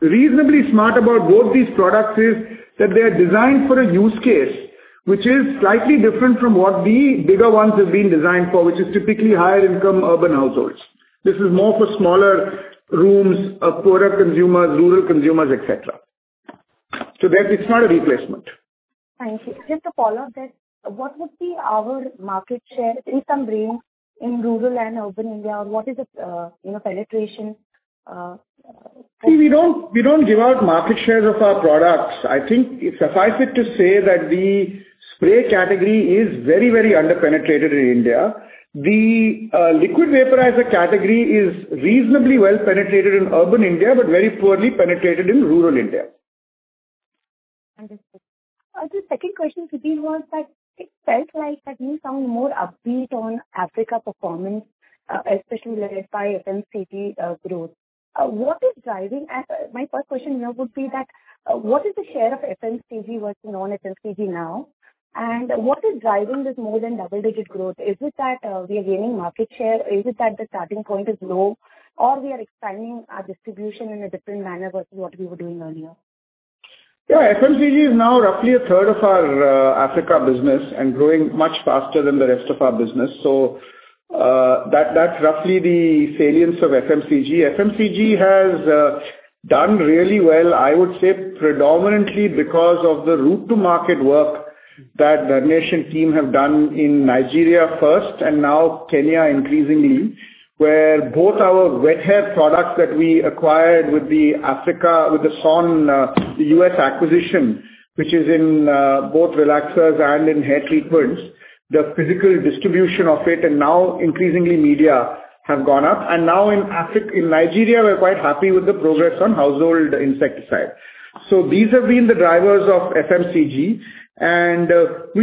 reasonably smart about both these products is that they are designed for a use case which is slightly different from what the bigger ones have been designed for, which is typically higher income urban households. This is more for smaller rooms, poorer consumers, rural consumers, et cetera. That it's not a replacement. Thank you. Just a follow-up then. What would be our market share in some range in rural and urban India? What is it, you know, penetration. See, we don't give out market shares of our products. I think suffice it to say that the spray category is very, very under-penetrated in India. The liquid vaporizer category is reasonably well penetrated in urban India, but very poorly penetrated in rural India. Understood. The second question would be was that it felt like that you sound more upbeat on Africa performance, especially led by FMCG growth. My first question now would be that, what is the share of FMCG versus non-FMCG now, and what is driving this more than double-digit growth? Is it that, we are gaining market share? Is it that the starting point is low, or we are expanding our distribution in a different manner versus what we were doing earlier? FMCG is now roughly a third of our Africa business and growing much faster than the rest of our business. That's roughly the salience of FMCG. FMCG has done really well, I would say predominantly because of the route to market work that the nation team have done in Nigeria first and now Kenya increasingly, where both our wet hair products that we acquired with the Africa with the Sonn U.S. acquisition, which is in both relaxers and in hair treatments. The physical distribution of it and now increasingly media have gone up. Now in Nigeria, we're quite happy with the progress on household insecticide. These have been the drivers of FMCG. We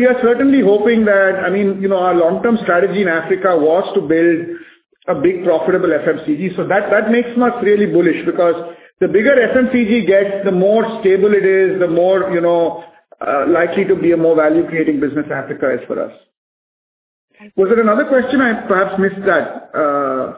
are certainly hoping that... I mean, you know, our long-term strategy in Africa was to build a big profitable FMCG. That makes us really bullish because the bigger FMCG gets, the more stable it is, the more, you know, likely to be a more value-creating business Africa is for us. Thank you. Was there another question? I perhaps missed that. Was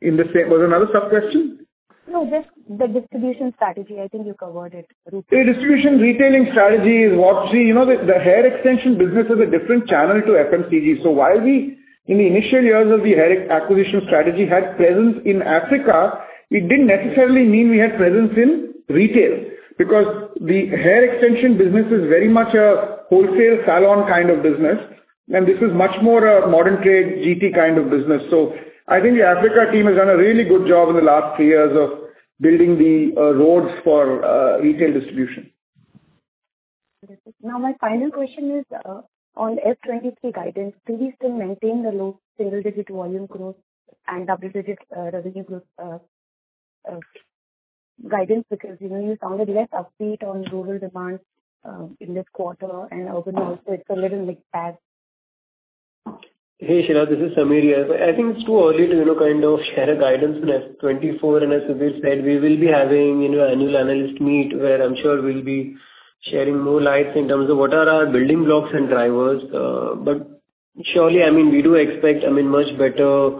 there another sub-question? No, just the distribution strategy. I think you covered it briefly. The distribution retailing strategy is. You know, the hair extension business is a different channel to FMCG. While we, in the initial years of the hair extension acquisition strategy, had presence in Africa, it didn't necessarily mean we had presence in retail. The hair extension business is very much a wholesale salon kind of business, and this is much more a modern trade GT kind of business. I think the Africa team has done a really good job in the last three years of building the roads for retail distribution. Understood. Now, my final question is on F 2023 guidance. Do we still maintain the low single-digit volume growth and double-digit revenue growth guidance? Because, you know, you sounded less upbeat on rural demand in this quarter and urban also. It's a little mixed bag. Hey, Sheela, this is Sameer here. I think it's too early to, you know, kind of share a guidance in F 2024. As Sudhir said, we will be having, you know, annual analyst meet where I'm sure we'll be sharing more lights in terms of what are our building blocks and drivers. Surely, I mean, we do expect, I mean, much better,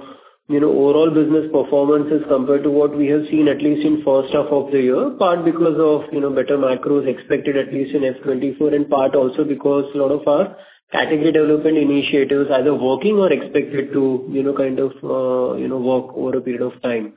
you know, overall business performances compared to what we have seen at least in first half of the year. Part because of, you know, better macros expected at least in F 2024, and part also because a lot of our category development initiatives either working or expected to, you know, kind of, you know, work over a period of time.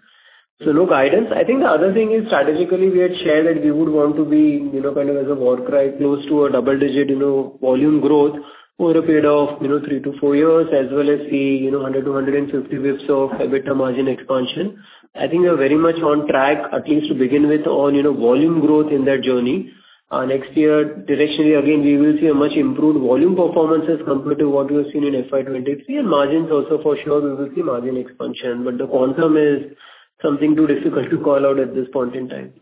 No guidance. I think the other thing is strategically we had shared that we would want to be, you know, kind of as a war cry, close to a double-digit, you know, volume growth over a period of, you know, 3-4 years as well as see, you know, 100-150 basis points of EBITDA margin expansion. I think we are very much on track, at least to begin with, on, you know, volume growth in that journey. Next year, directionally again, we will see a much improved volume performances compared to what we have seen in FY 2023. Margins also for sure we will see margin expansion, but the quantum is something too difficult to call out at this point in time.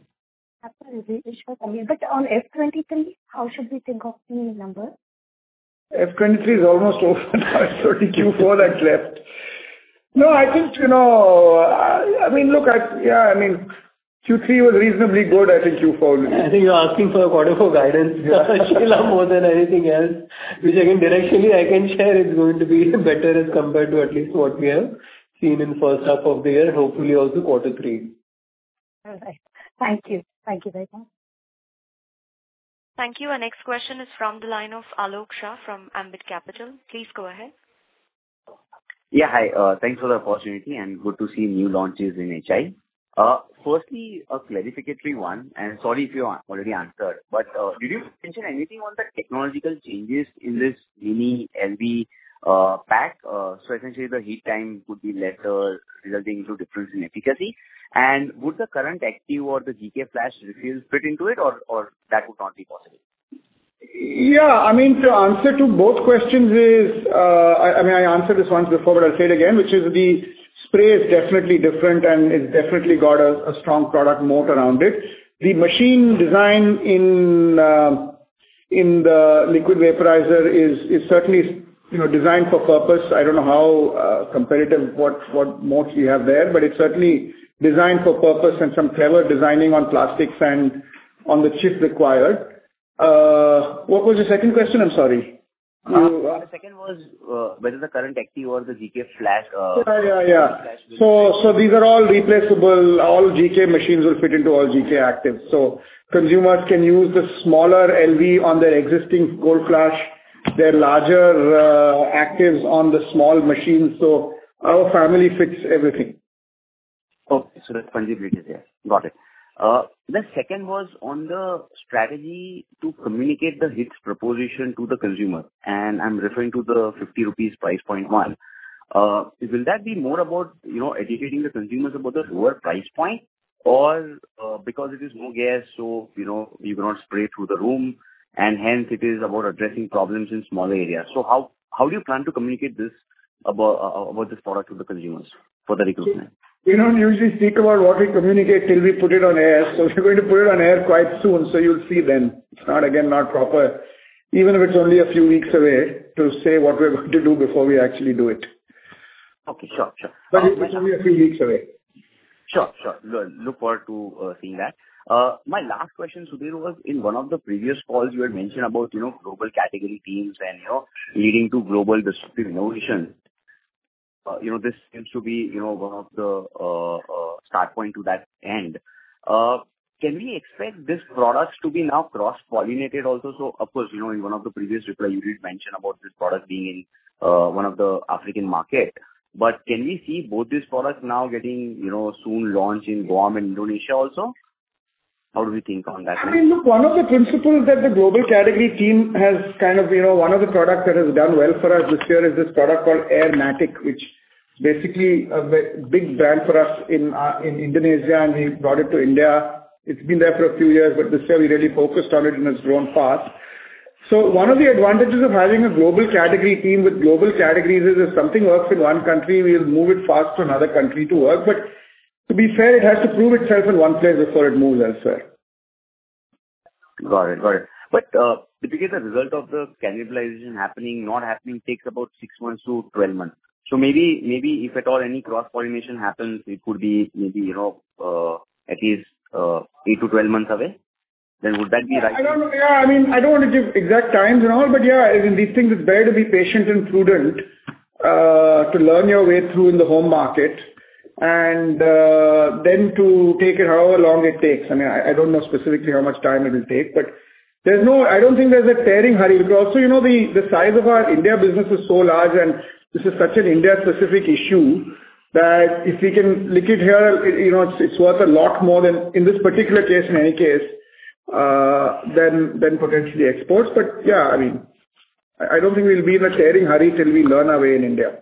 Absolutely. Sure, Sameer. On F 2023, how should we think of the number? F 2023 is almost over now, it's only Q4 that's left. I think, you know, I mean, Q3 was reasonably good, I think Q4 will be. I think you're asking for a quarter four guidance, Sheela, more than anything else. Which again, directionally I can share it's going to be better as compared to at least what we have seen in the first half of the year, hopefully also quarter three. All right. Thank you. Thank you very much. Thank you. Our next question is from the line of Alok Shah from Ambit Capital. Please go ahead. Yeah. Hi, thanks for the opportunity and good to see new launches in HI. Firstly, a clarificatory one, and sorry if you already answered, did you mention anything on the technological changes in this mini LV pack? Essentially the heat time would be lesser, resulting into difference in efficacy? Would the current Active or the Goodknight Flash refills fit into it or that would not be possible? Yeah. I mean, to answer to both questions is, I mean, I answered this once before, but I'll say it again, which is the spray is definitely different, and it's definitely got a strong product moat around it. The machine design in the liquid vaporizer is certainly, you know, designed for purpose. I don't know how competitive what moats you have there, but it's certainly designed for purpose and some clever designing on plastics and on the chip required. What was your second question? I'm sorry. The second was, whether the current Active or the Goodknight Flash. Yeah. Yeah. Yeah. Goodknight Flash. These are all replaceable. All GK machines will fit into all GK Actives. Consumers can use the smaller LV on their existing Gold Flash, their larger Actives on the small machine. Our family fits everything. Okay. So that's completely there. Got it. The second was on the strategy to communicate the HIT proposition to the consumer, and I'm referring to the 50 rupees price point one. Will that be more about, you know, educating the consumers about the lower price point? Or, because it is more gas, so you know, you cannot spray through the room, and hence it is about addressing problems in smaller areas. How do you plan to communicate this? About about this product to the consumers for the Goodknight. We don't usually speak about what we communicate till we put it on air. We're going to put it on air quite soon, so you'll see then. It's not, again, not proper, even if it's only a few weeks away, to say what we're going to do before we actually do it. Okay. Sure, sure. It will be a few weeks away. Sure, sure. Look forward to seeing that. My last question, Sudhir, was in one of the previous calls you had mentioned about, you know, global category teams and, you know, leading to global distribution. You know, this seems to be, you know, one of the start point to that end. Can we expect this product to be now cross-pollinated also? Of course, you know, in one of the previous replies you did mention about this product being in one of the African market. Can we see both these products now getting, you know, soon launched in Guam and Indonesia also? How do we think on that one? I mean, look, you know, one of the products that has done well for us this year is this product called aer matic, which basically a big brand for us in Indonesia, and we brought it to India. It's been there for a few years, but this year we really focused on it and it's grown fast. One of the advantages of having a global category team with global categories is if something works in one country, we'll move it fast to another country to work. To be fair, it has to prove itself in one place before it moves elsewhere. Got it. Got it. Typically the result of the cannibalization happening, not happening takes about 6 months to 12 months. Maybe if at all any cross-pollination happens, it could be maybe, you know, at least 8 to 12 months away, would that be right? I mean, I don't want to give exact times and all, but yeah, these things, it's better to be patient and prudent, to learn your way through in the home market and then to take it however long it takes. I mean, I don't know specifically how much time it'll take, but there's no I don't think there's a tearing hurry, because also, you know, the size of our India business is so large and this is such an India-specific issue that if we can lick it here, you know, it's worth a lot more than in this particular case, in any case, than potentially exports. Yeah, I mean, I don't think we'll be in a tearing hurry till we learn our way in India.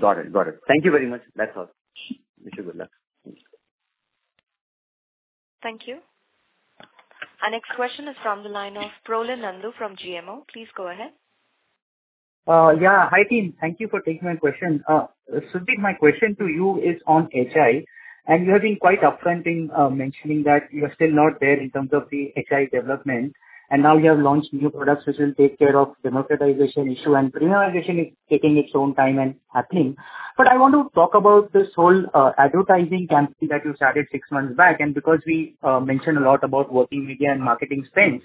Got it. Got it. Thank you very much. That's all. Wish you good luck. Thank you. Our next question is from the line of Prolin Nandu from GMO. Please go ahead. Yeah. Hi, team. Thank you for taking my question. Sudhir, my question to you is on HI. You have been quite upfront in mentioning that you are still not there in terms of the HI development. Now you have launched new products which will take care of democratization issue and premiumization is taking its own time and happening. I want to talk about this whole advertising campaign that you started six months back, because we mentioned a lot about working media and marketing spends.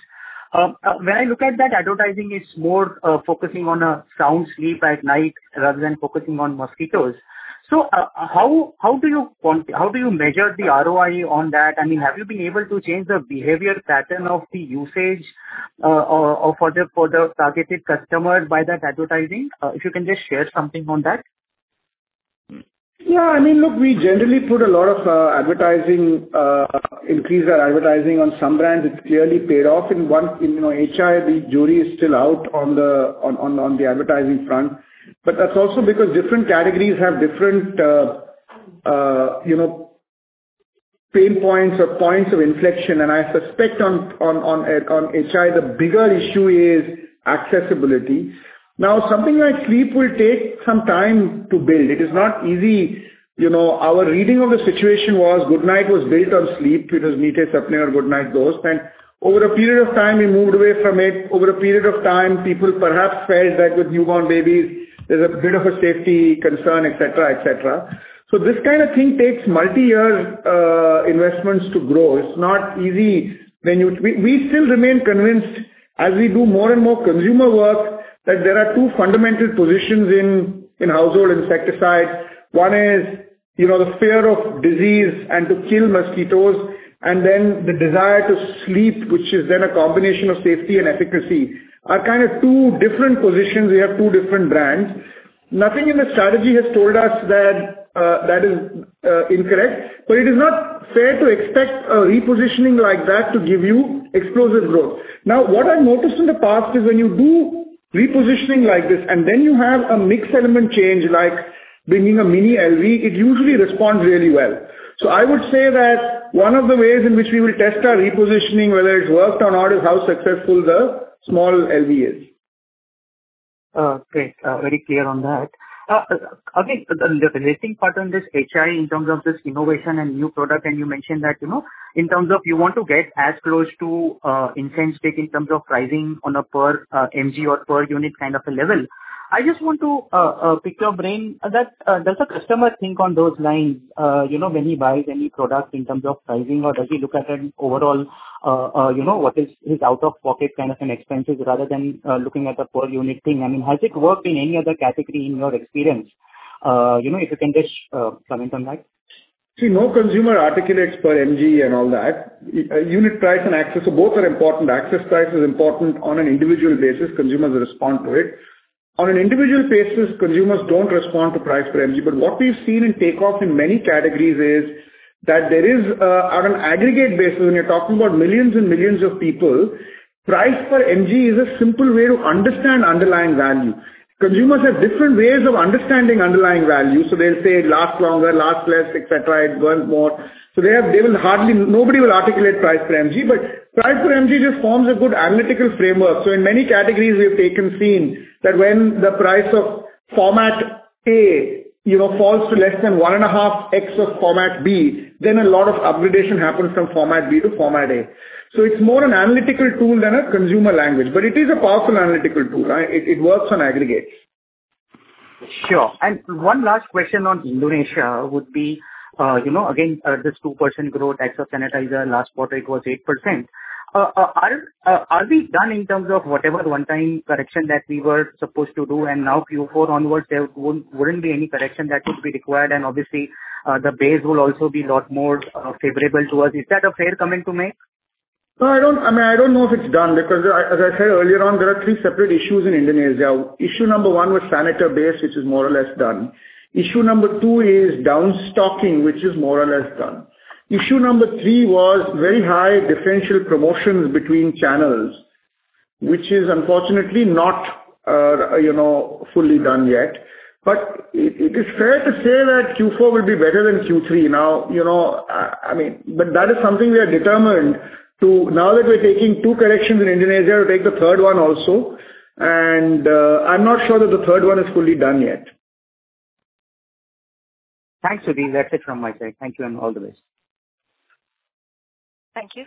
When I look at that advertising, it's more focusing on a sound sleep at night rather than focusing on mosquitoes. How do you measure the ROI on that? I mean, have you been able to change the behavior pattern of the usage, or for the, for the targeted customer by that advertising? If you can just share something on that. Yeah, I mean, look, we generally put a lot of advertising, increase our advertising on some brands. It's clearly paid off in one. In, you know, HI, the jury is still out on the advertising front. That's also because different categories have different, you know, pain points or points of inflection, and I suspect on HI, the bigger issue is accessibility. Something like sleep will take some time to build. It is not easy. You know, our reading of the situation was Good knight was built on sleep. It was Good knight goes. Over a period of time we moved away from it. Over a period of time, people perhaps felt that with newborn babies there's a bit of a safety concern, et cetera, et cetera. This kind of thing takes multi-year investments to grow. It's not easy We still remain convinced as we do more and more consumer work, that there are two fundamental positions in household insecticides. One is, you know, the fear of disease and to kill mosquitoes, and then the desire to sleep, which is then a combination of safety and efficacy, are kind of two different positions. We have two different brands. Nothing in the strategy has told us that that is incorrect. It is not fair to expect a repositioning like that to give you explosive growth. What I've noticed in the past is when you do repositioning like this, and then you have a mix element change like bringing a mini LV, it usually responds really well. I would say that one of the ways in which we will test our repositioning, whether it's worked or not, is how successful the small LV is. Oh, great. Very clear on that. I think the interesting part on this HI in terms of this innovation and new product, and you mentioned that, you know, in terms of you want to get as close to Incense Stick in terms of pricing on a per MG or per unit kind of a level. I just want to pick your brain that does the customer think on those lines, you know, when he buys any product in terms of pricing or does he look at an overall, you know, what is his out of pocket kind of an expenses rather than looking at a per unit thing? I mean, has it worked in any other category in your experience? You know, if you can just comment on that? See, no consumer articulates per MG and all that. Unit price and access, both are important. Access price is important on an individual basis. Consumers respond to it. On an individual basis, consumers don't respond to price per MG. What we've seen in take-off in many categories is that there is, on an aggregate basis, when you're talking about millions and millions of people, price per MG is a simple way to understand underlying value. Consumers have different ways of understanding underlying value, so they'll say it lasts longer, lasts less, et cetera, it works more. They will hardly. Nobody will articulate price per MG. Price per MG just forms a good analytical framework. In many categories, we have taken scene that when the price of format A, you know, falls to less than 1.5x of format B, then a lot of upgradation happens from format B to format A. It's more an analytical tool than a consumer language, but it is a powerful analytical tool, right? It works on aggregates. Sure. One last question on Indonesia would be, you know, again, this 2% growth, extra sanitizer, last quarter it was 8%. Are we done in terms of whatever one-time correction that we were supposed to do, and now Q4 onwards, there wouldn't be any correction that would be required, and obviously, the base will also be a lot more favorable to us. Is that a fair comment to make? No, I don't... I mean, I don't know if it's done because I, as I said earlier on, there are three separate issues in Indonesia. Issue number one was Saniter base, which is more or less done. Issue number two is downstocking, which is more or less done. Issue number three was very high differential promotions between channels, which is unfortunately not, you know, fully done yet. It, it is fair to say that Q4 will be better than Q3. You know, I mean, that is something we are determined to... Now that we're taking two corrections in Indonesia, we'll take the third one also, and I'm not sure that the third one is fully done yet. Thanks, Sudhir. That's it from my side. Thank you, and all the best. Thank you.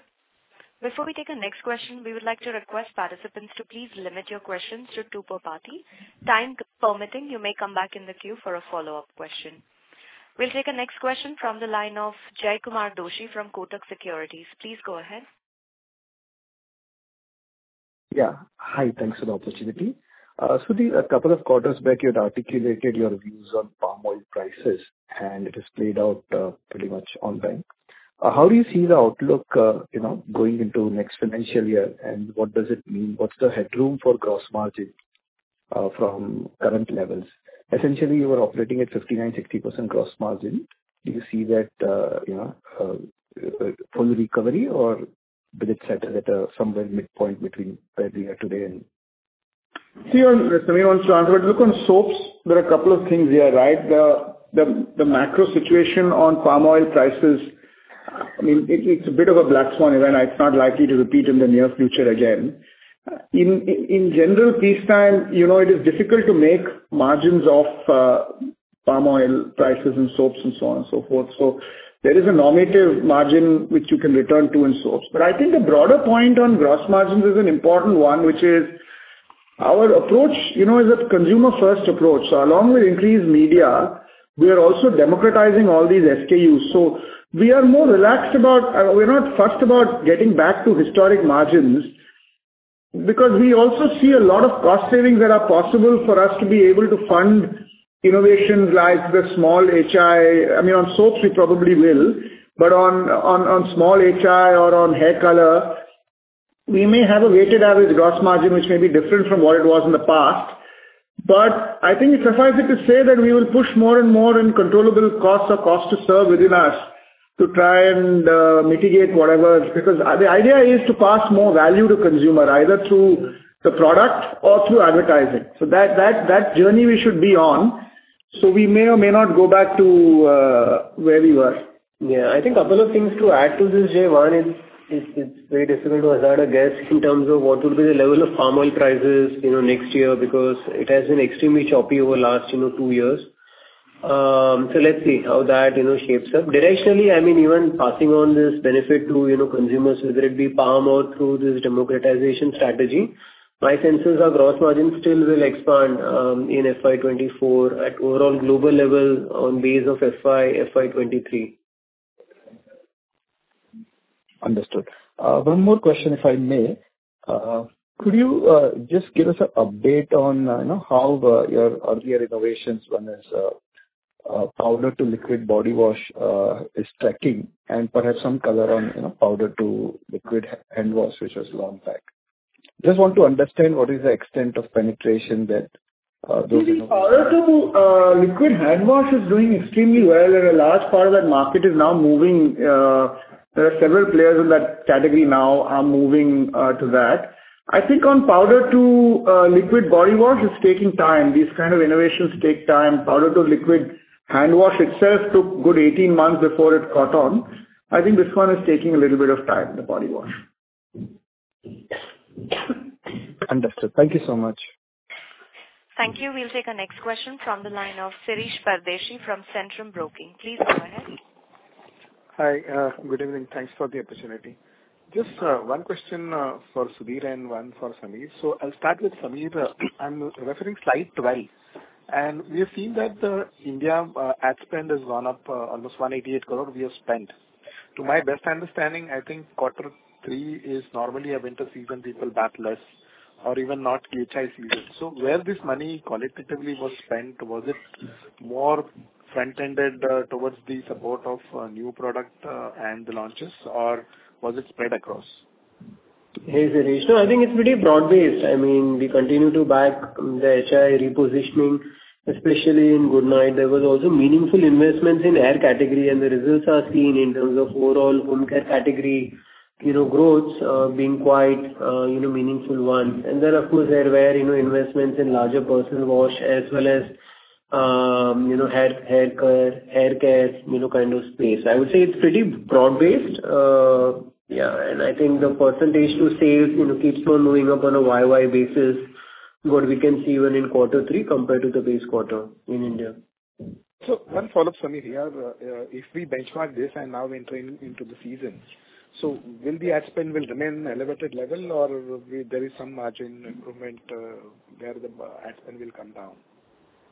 Before we take the next question, we would like to request participants to please limit your questions to two per party. Time permitting, you may come back in the queue for a follow-up question. We'll take the next question from the line of Jaykumar Doshi from Kotak Securities. Please go ahead. Yeah. Hi, thanks for the opportunity. Sudhir, a couple of quarters back, you had articulated your views on palm oil prices, and it has played out pretty much on time. How do you see the outlook, you know, going into next financial year, and what does it mean? What's the headroom for gross margin from current levels? Essentially, you are operating at 59%, 60% gross margin. Do you see that, you know, full recovery or will it settle at somewhere midpoint between where we are today and... Sameer wants to answer it. Look, on soaps there are a couple of things here, right? The macro situation on palm oil prices, I mean, it's a bit of a black swan event. It's not likely to repeat in the near future again. In general peacetime, you know, it is difficult to make margins off palm oil prices and soaps and so on and so forth. There is a nominative margin which you can return to in soaps. I think the broader point on gross margins is an important one, which is our approach, you know, is a consumer first approach. Along with increased media, we are also democratizing all these SKUs. We are more relaxed about... We're not fussed about getting back to historic margins because we also see a lot of cost savings that are possible for us to be able to fund innovations like the small HI. I mean, on soaps we probably will, but on small HI or on hair color, we may have a weighted average gross margin which may be different from what it was in the past. I think it's suffice it to say that we will push more and more in controllable costs or cost to serve within us to try and mitigate whatever. The idea is to pass more value to consumer, either through the product or through advertising. That journey we should be on, so we may or may not go back to where we were. Yeah. I think a couple of things to add to this, Jay. One is it's very difficult to hazard a guess in terms of what will be the level of palm oil prices, you know, next year, because it has been extremely choppy over last, you know, two years. Let's see how that, you know, shapes up. Directionally, I mean, even passing on this benefit to, you know, consumers, whether it be palm oil through this democratization strategy, my senses are gross margin still will expand in FY 2024 at overall global level on base of FY 2023. Understood. One more question, if I may? Could you just give us an update on, you know, your earlier innovations, one is powder to liquid body wash, is tracking and perhaps some color on, you know, powder to liquid hand wash, which was launched back? Just want to understand what is the extent of penetration that those innovations are-? Powder to liquid hand wash is doing extremely well, and a large part of that market is now moving. There are several players in that category now are moving to that. I think on powder to liquid body wash, it's taking time. These kind of innovations take time. Powder to liquid hand wash itself took good 18 months before it caught on. I think this one is taking a little bit of time, the body wash. Understood. Thank you so much. Thank you. We'll take our next question from the line of Shirish Pardeshi from Centrum Broking. Please go ahead. Hi. good evening. Thanks for the opportunity. Just one question for Sudhir and one for Sameer. I'll start with Sameer. I'm referring slide 12, we have seen that the India ad spend has gone up almost 188 crore we have spent. To my best understanding, I think Q3 is normally a winter season, people back less or even not HI season. Where this money qualitatively was spent, was it more front-ended towards the support of new product and the launches, or was it spread across? Hey, Shirish. No, I think it's pretty broad-based. I mean, we continue to back the HI repositioning, especially in Goodknight. There was also meaningful investments in aer category, and the results are seen in terms of overall home care category, you know, growth, being quite, you know, meaningful one. Of course, there were, you know, investments in larger personal wash as well as, you know, hair care, you know, kind of space. I would say it's pretty broad-based. Yeah, I think the percentage to sales, you know, keeps on moving up on a YoY basis, what we can see even in quarter three compared to the base quarter in India. One follow-up for me here. If we benchmark this and now entering into the season, so will the ad spend remain elevated level or will be there is some margin improvement, where the ad spend will come down?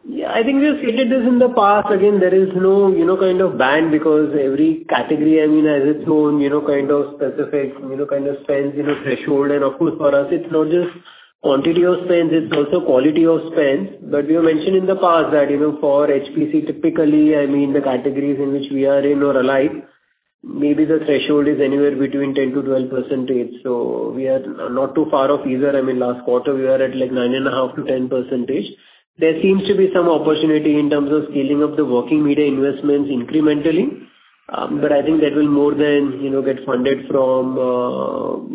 Yeah, I think we've stated this in the past. Again, there is no, you know, kind of ban because every category, I mean, has its own, you know, kind of specific, you know, kind of spends, you know, threshold. Of course, for us it's not just quantity of spends, it's also quality of spends. We have mentioned in the past that, you know, for HPC, typically, I mean the categories in which we are in or alive, maybe the threshold is anywhere between 10%-12%. We are not too far off either. I mean, last quarter we were at like 9.5%-10%. There seems to be some opportunity in terms of scaling up the working media investments incrementally, but I think that will more than, you know, get funded from,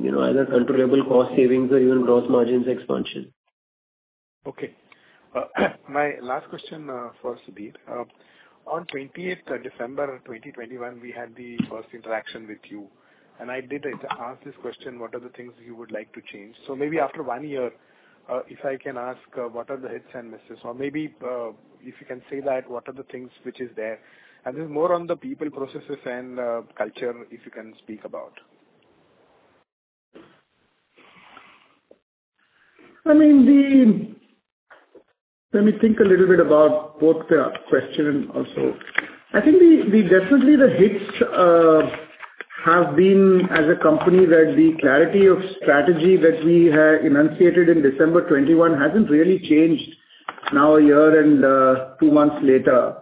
you know, either controllable cost savings or even gross margins expansion. Okay. My last question for Sudhir. On 28th on December 2021, we had the first interaction with you, I did ask this question: What are the things you would like to change? Maybe after 1 year, if I can ask, what are the hits and misses? Maybe, if you can say that, what are the things which is there? This is more on the people, processes and culture, if you can speak about. I mean, let me think a little bit about both the question and also. I think the definitely the HIT have been as a company that the clarity of strategy that we had enunciated in December 2021 hasn't really changed now a year and two months later.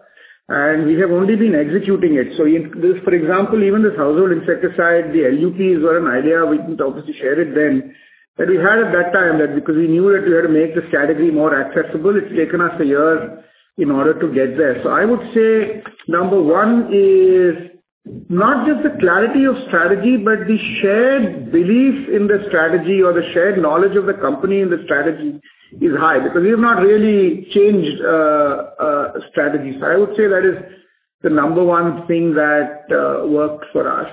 We have only been executing it. This, for example, even this household insecticide, the LUPs were an idea. We didn't obviously share it then, but we had at that time that because we knew that we had to make the category more accessible. It's taken us a year in order to get there. I would say number 1 is not just the clarity of strategy, but the shared belief in the strategy or the shared knowledge of the company in the strategy is high because we have not really changed strategy. I would say that is the number one thing that worked for us.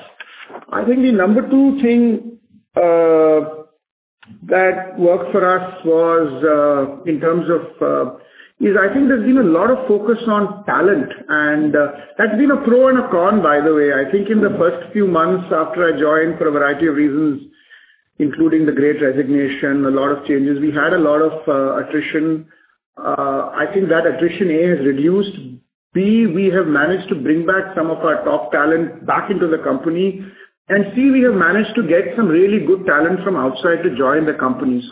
I think the number two thing that worked for us was in terms of is I think there's been a lot of focus on talent, and that's been a pro and a con, by the way. I think in the first few months after I joined, for a variety of reasons, including the great resignation, a lot of changes, we had a lot of attrition. I think that attrition, A, has reduced. B, we have managed to bring back some of our top talent back into the company. C, we have managed to get some really good talent from outside to join the company.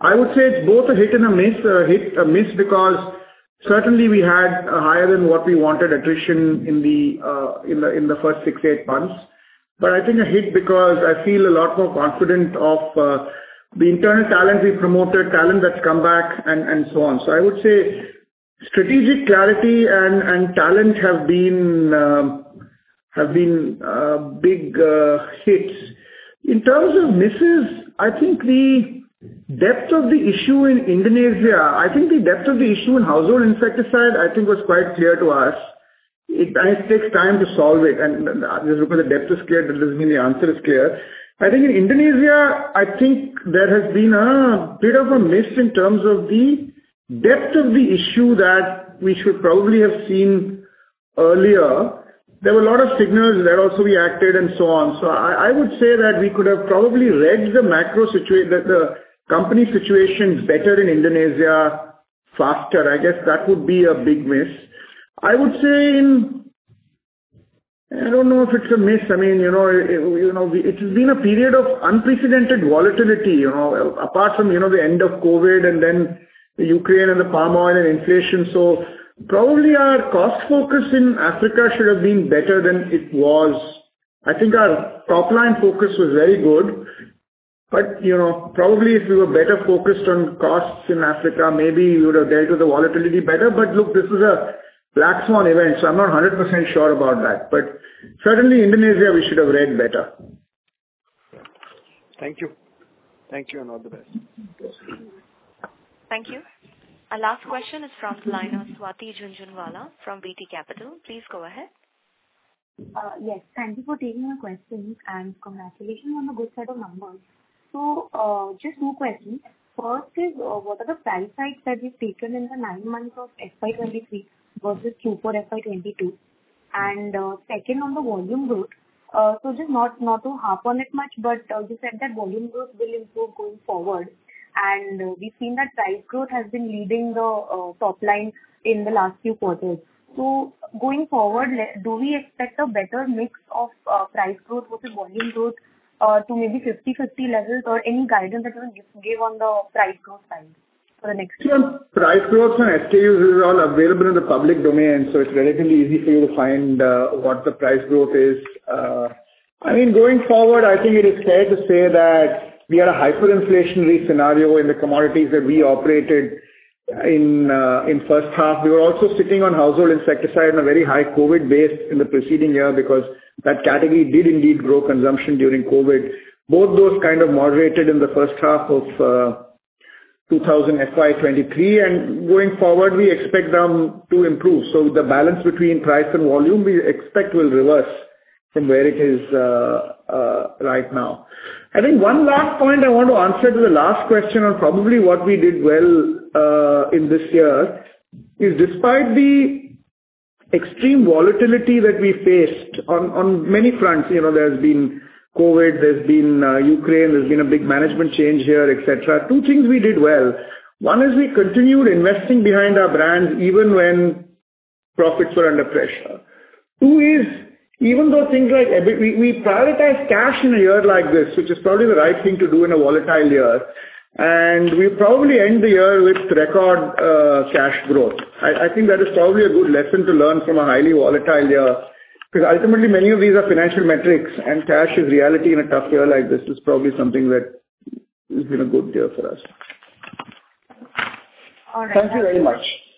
I would say it's both a hit and a miss, a hit, a miss, because certainly we had higher than what we wanted attrition in the first six, eight months. I think a hit because I feel a lot more confident of the internal talent we promoted, talent that's come back and so on. I would say strategic clarity and talent have been big hits. In terms of misses, I think the depth of the issue in Indonesia, I think the depth of the issue in household insecticide, I think was quite clear to us. It takes time to solve it. And just because the depth is clear doesn't mean the answer is clear. I think in Indonesia, I think there has been a bit of a miss in terms of the depth of the issue that we should probably have seen earlier. There were a lot of signals that also we acted and so on. I would say that we could have probably read the macro the company situation better in Indonesia faster. I guess that would be a big miss. I would say in... I don't know if it's a miss. I mean, you know, you know, it has been a period of unprecedented volatility, you know, apart from, you know, the end of COVID and then Ukraine and the palm oil and inflation. Probably our cost focus in Africa should have been better than it was. I think our top line focus was very good. You know, probably if we were better focused on costs in Africa, maybe we would have dealt with the volatility better. Look, this is a black swan event, so I'm not 100% sure about that. Certainly Indonesia we should have read better. Thank you. Thank you, and all the best. Thanks. Thank you. Our last question is from Swati Jhunjhunwala from VT Capital. Please go ahead. Yes, thank you for taking my question, congratulations on the good set of numbers. Just two questions. First is, what are the sell sides that you've taken in the nine months of FY 2023 versus Q4 FY 2022? Second on the volume growth. Just not to harp on it much, you said that volume growth will improve going forward. We've seen that price growth has been leading the top line in the last few quarters. Going forward, do we expect a better mix of price growth versus volume growth to maybe 50/50 levels or any guidance that you can give on the price growth side for the next year? Price growth and SKUs are all available in the public domain, so it's relatively easy for you to find what the price growth is. I mean, going forward, I think it is fair to say that we had a hyperinflationary scenario in the commodities that we operated in in first half. We were also sitting on household insecticide on a very high COVID base in the preceding year because that category did indeed grow consumption during COVID. Both those kind of moderated in the first half of FY 2023. Going forward, we expect them to improve. The balance between price and volume we expect will reverse from where it is right now. I think one last point I want to answer to the last question on probably what we did well, in this year is despite the extreme volatility that we faced on many fronts, you know, there's been COVID, there's been Ukraine, there's been a big management change here, et cetera. Two things we did well. One is we continued investing behind our brands even when profits were under pressure. Two is even though we prioritized cash in a year like this, which is probably the right thing to do in a volatile year, and we probably end the year with record cash growth. I think that is probably a good lesson to learn from a highly volatile year, because ultimately many of these are financial metrics and cash is reality in a tough year like this. This is probably something that has been a good year for us. All right. Thank you very much.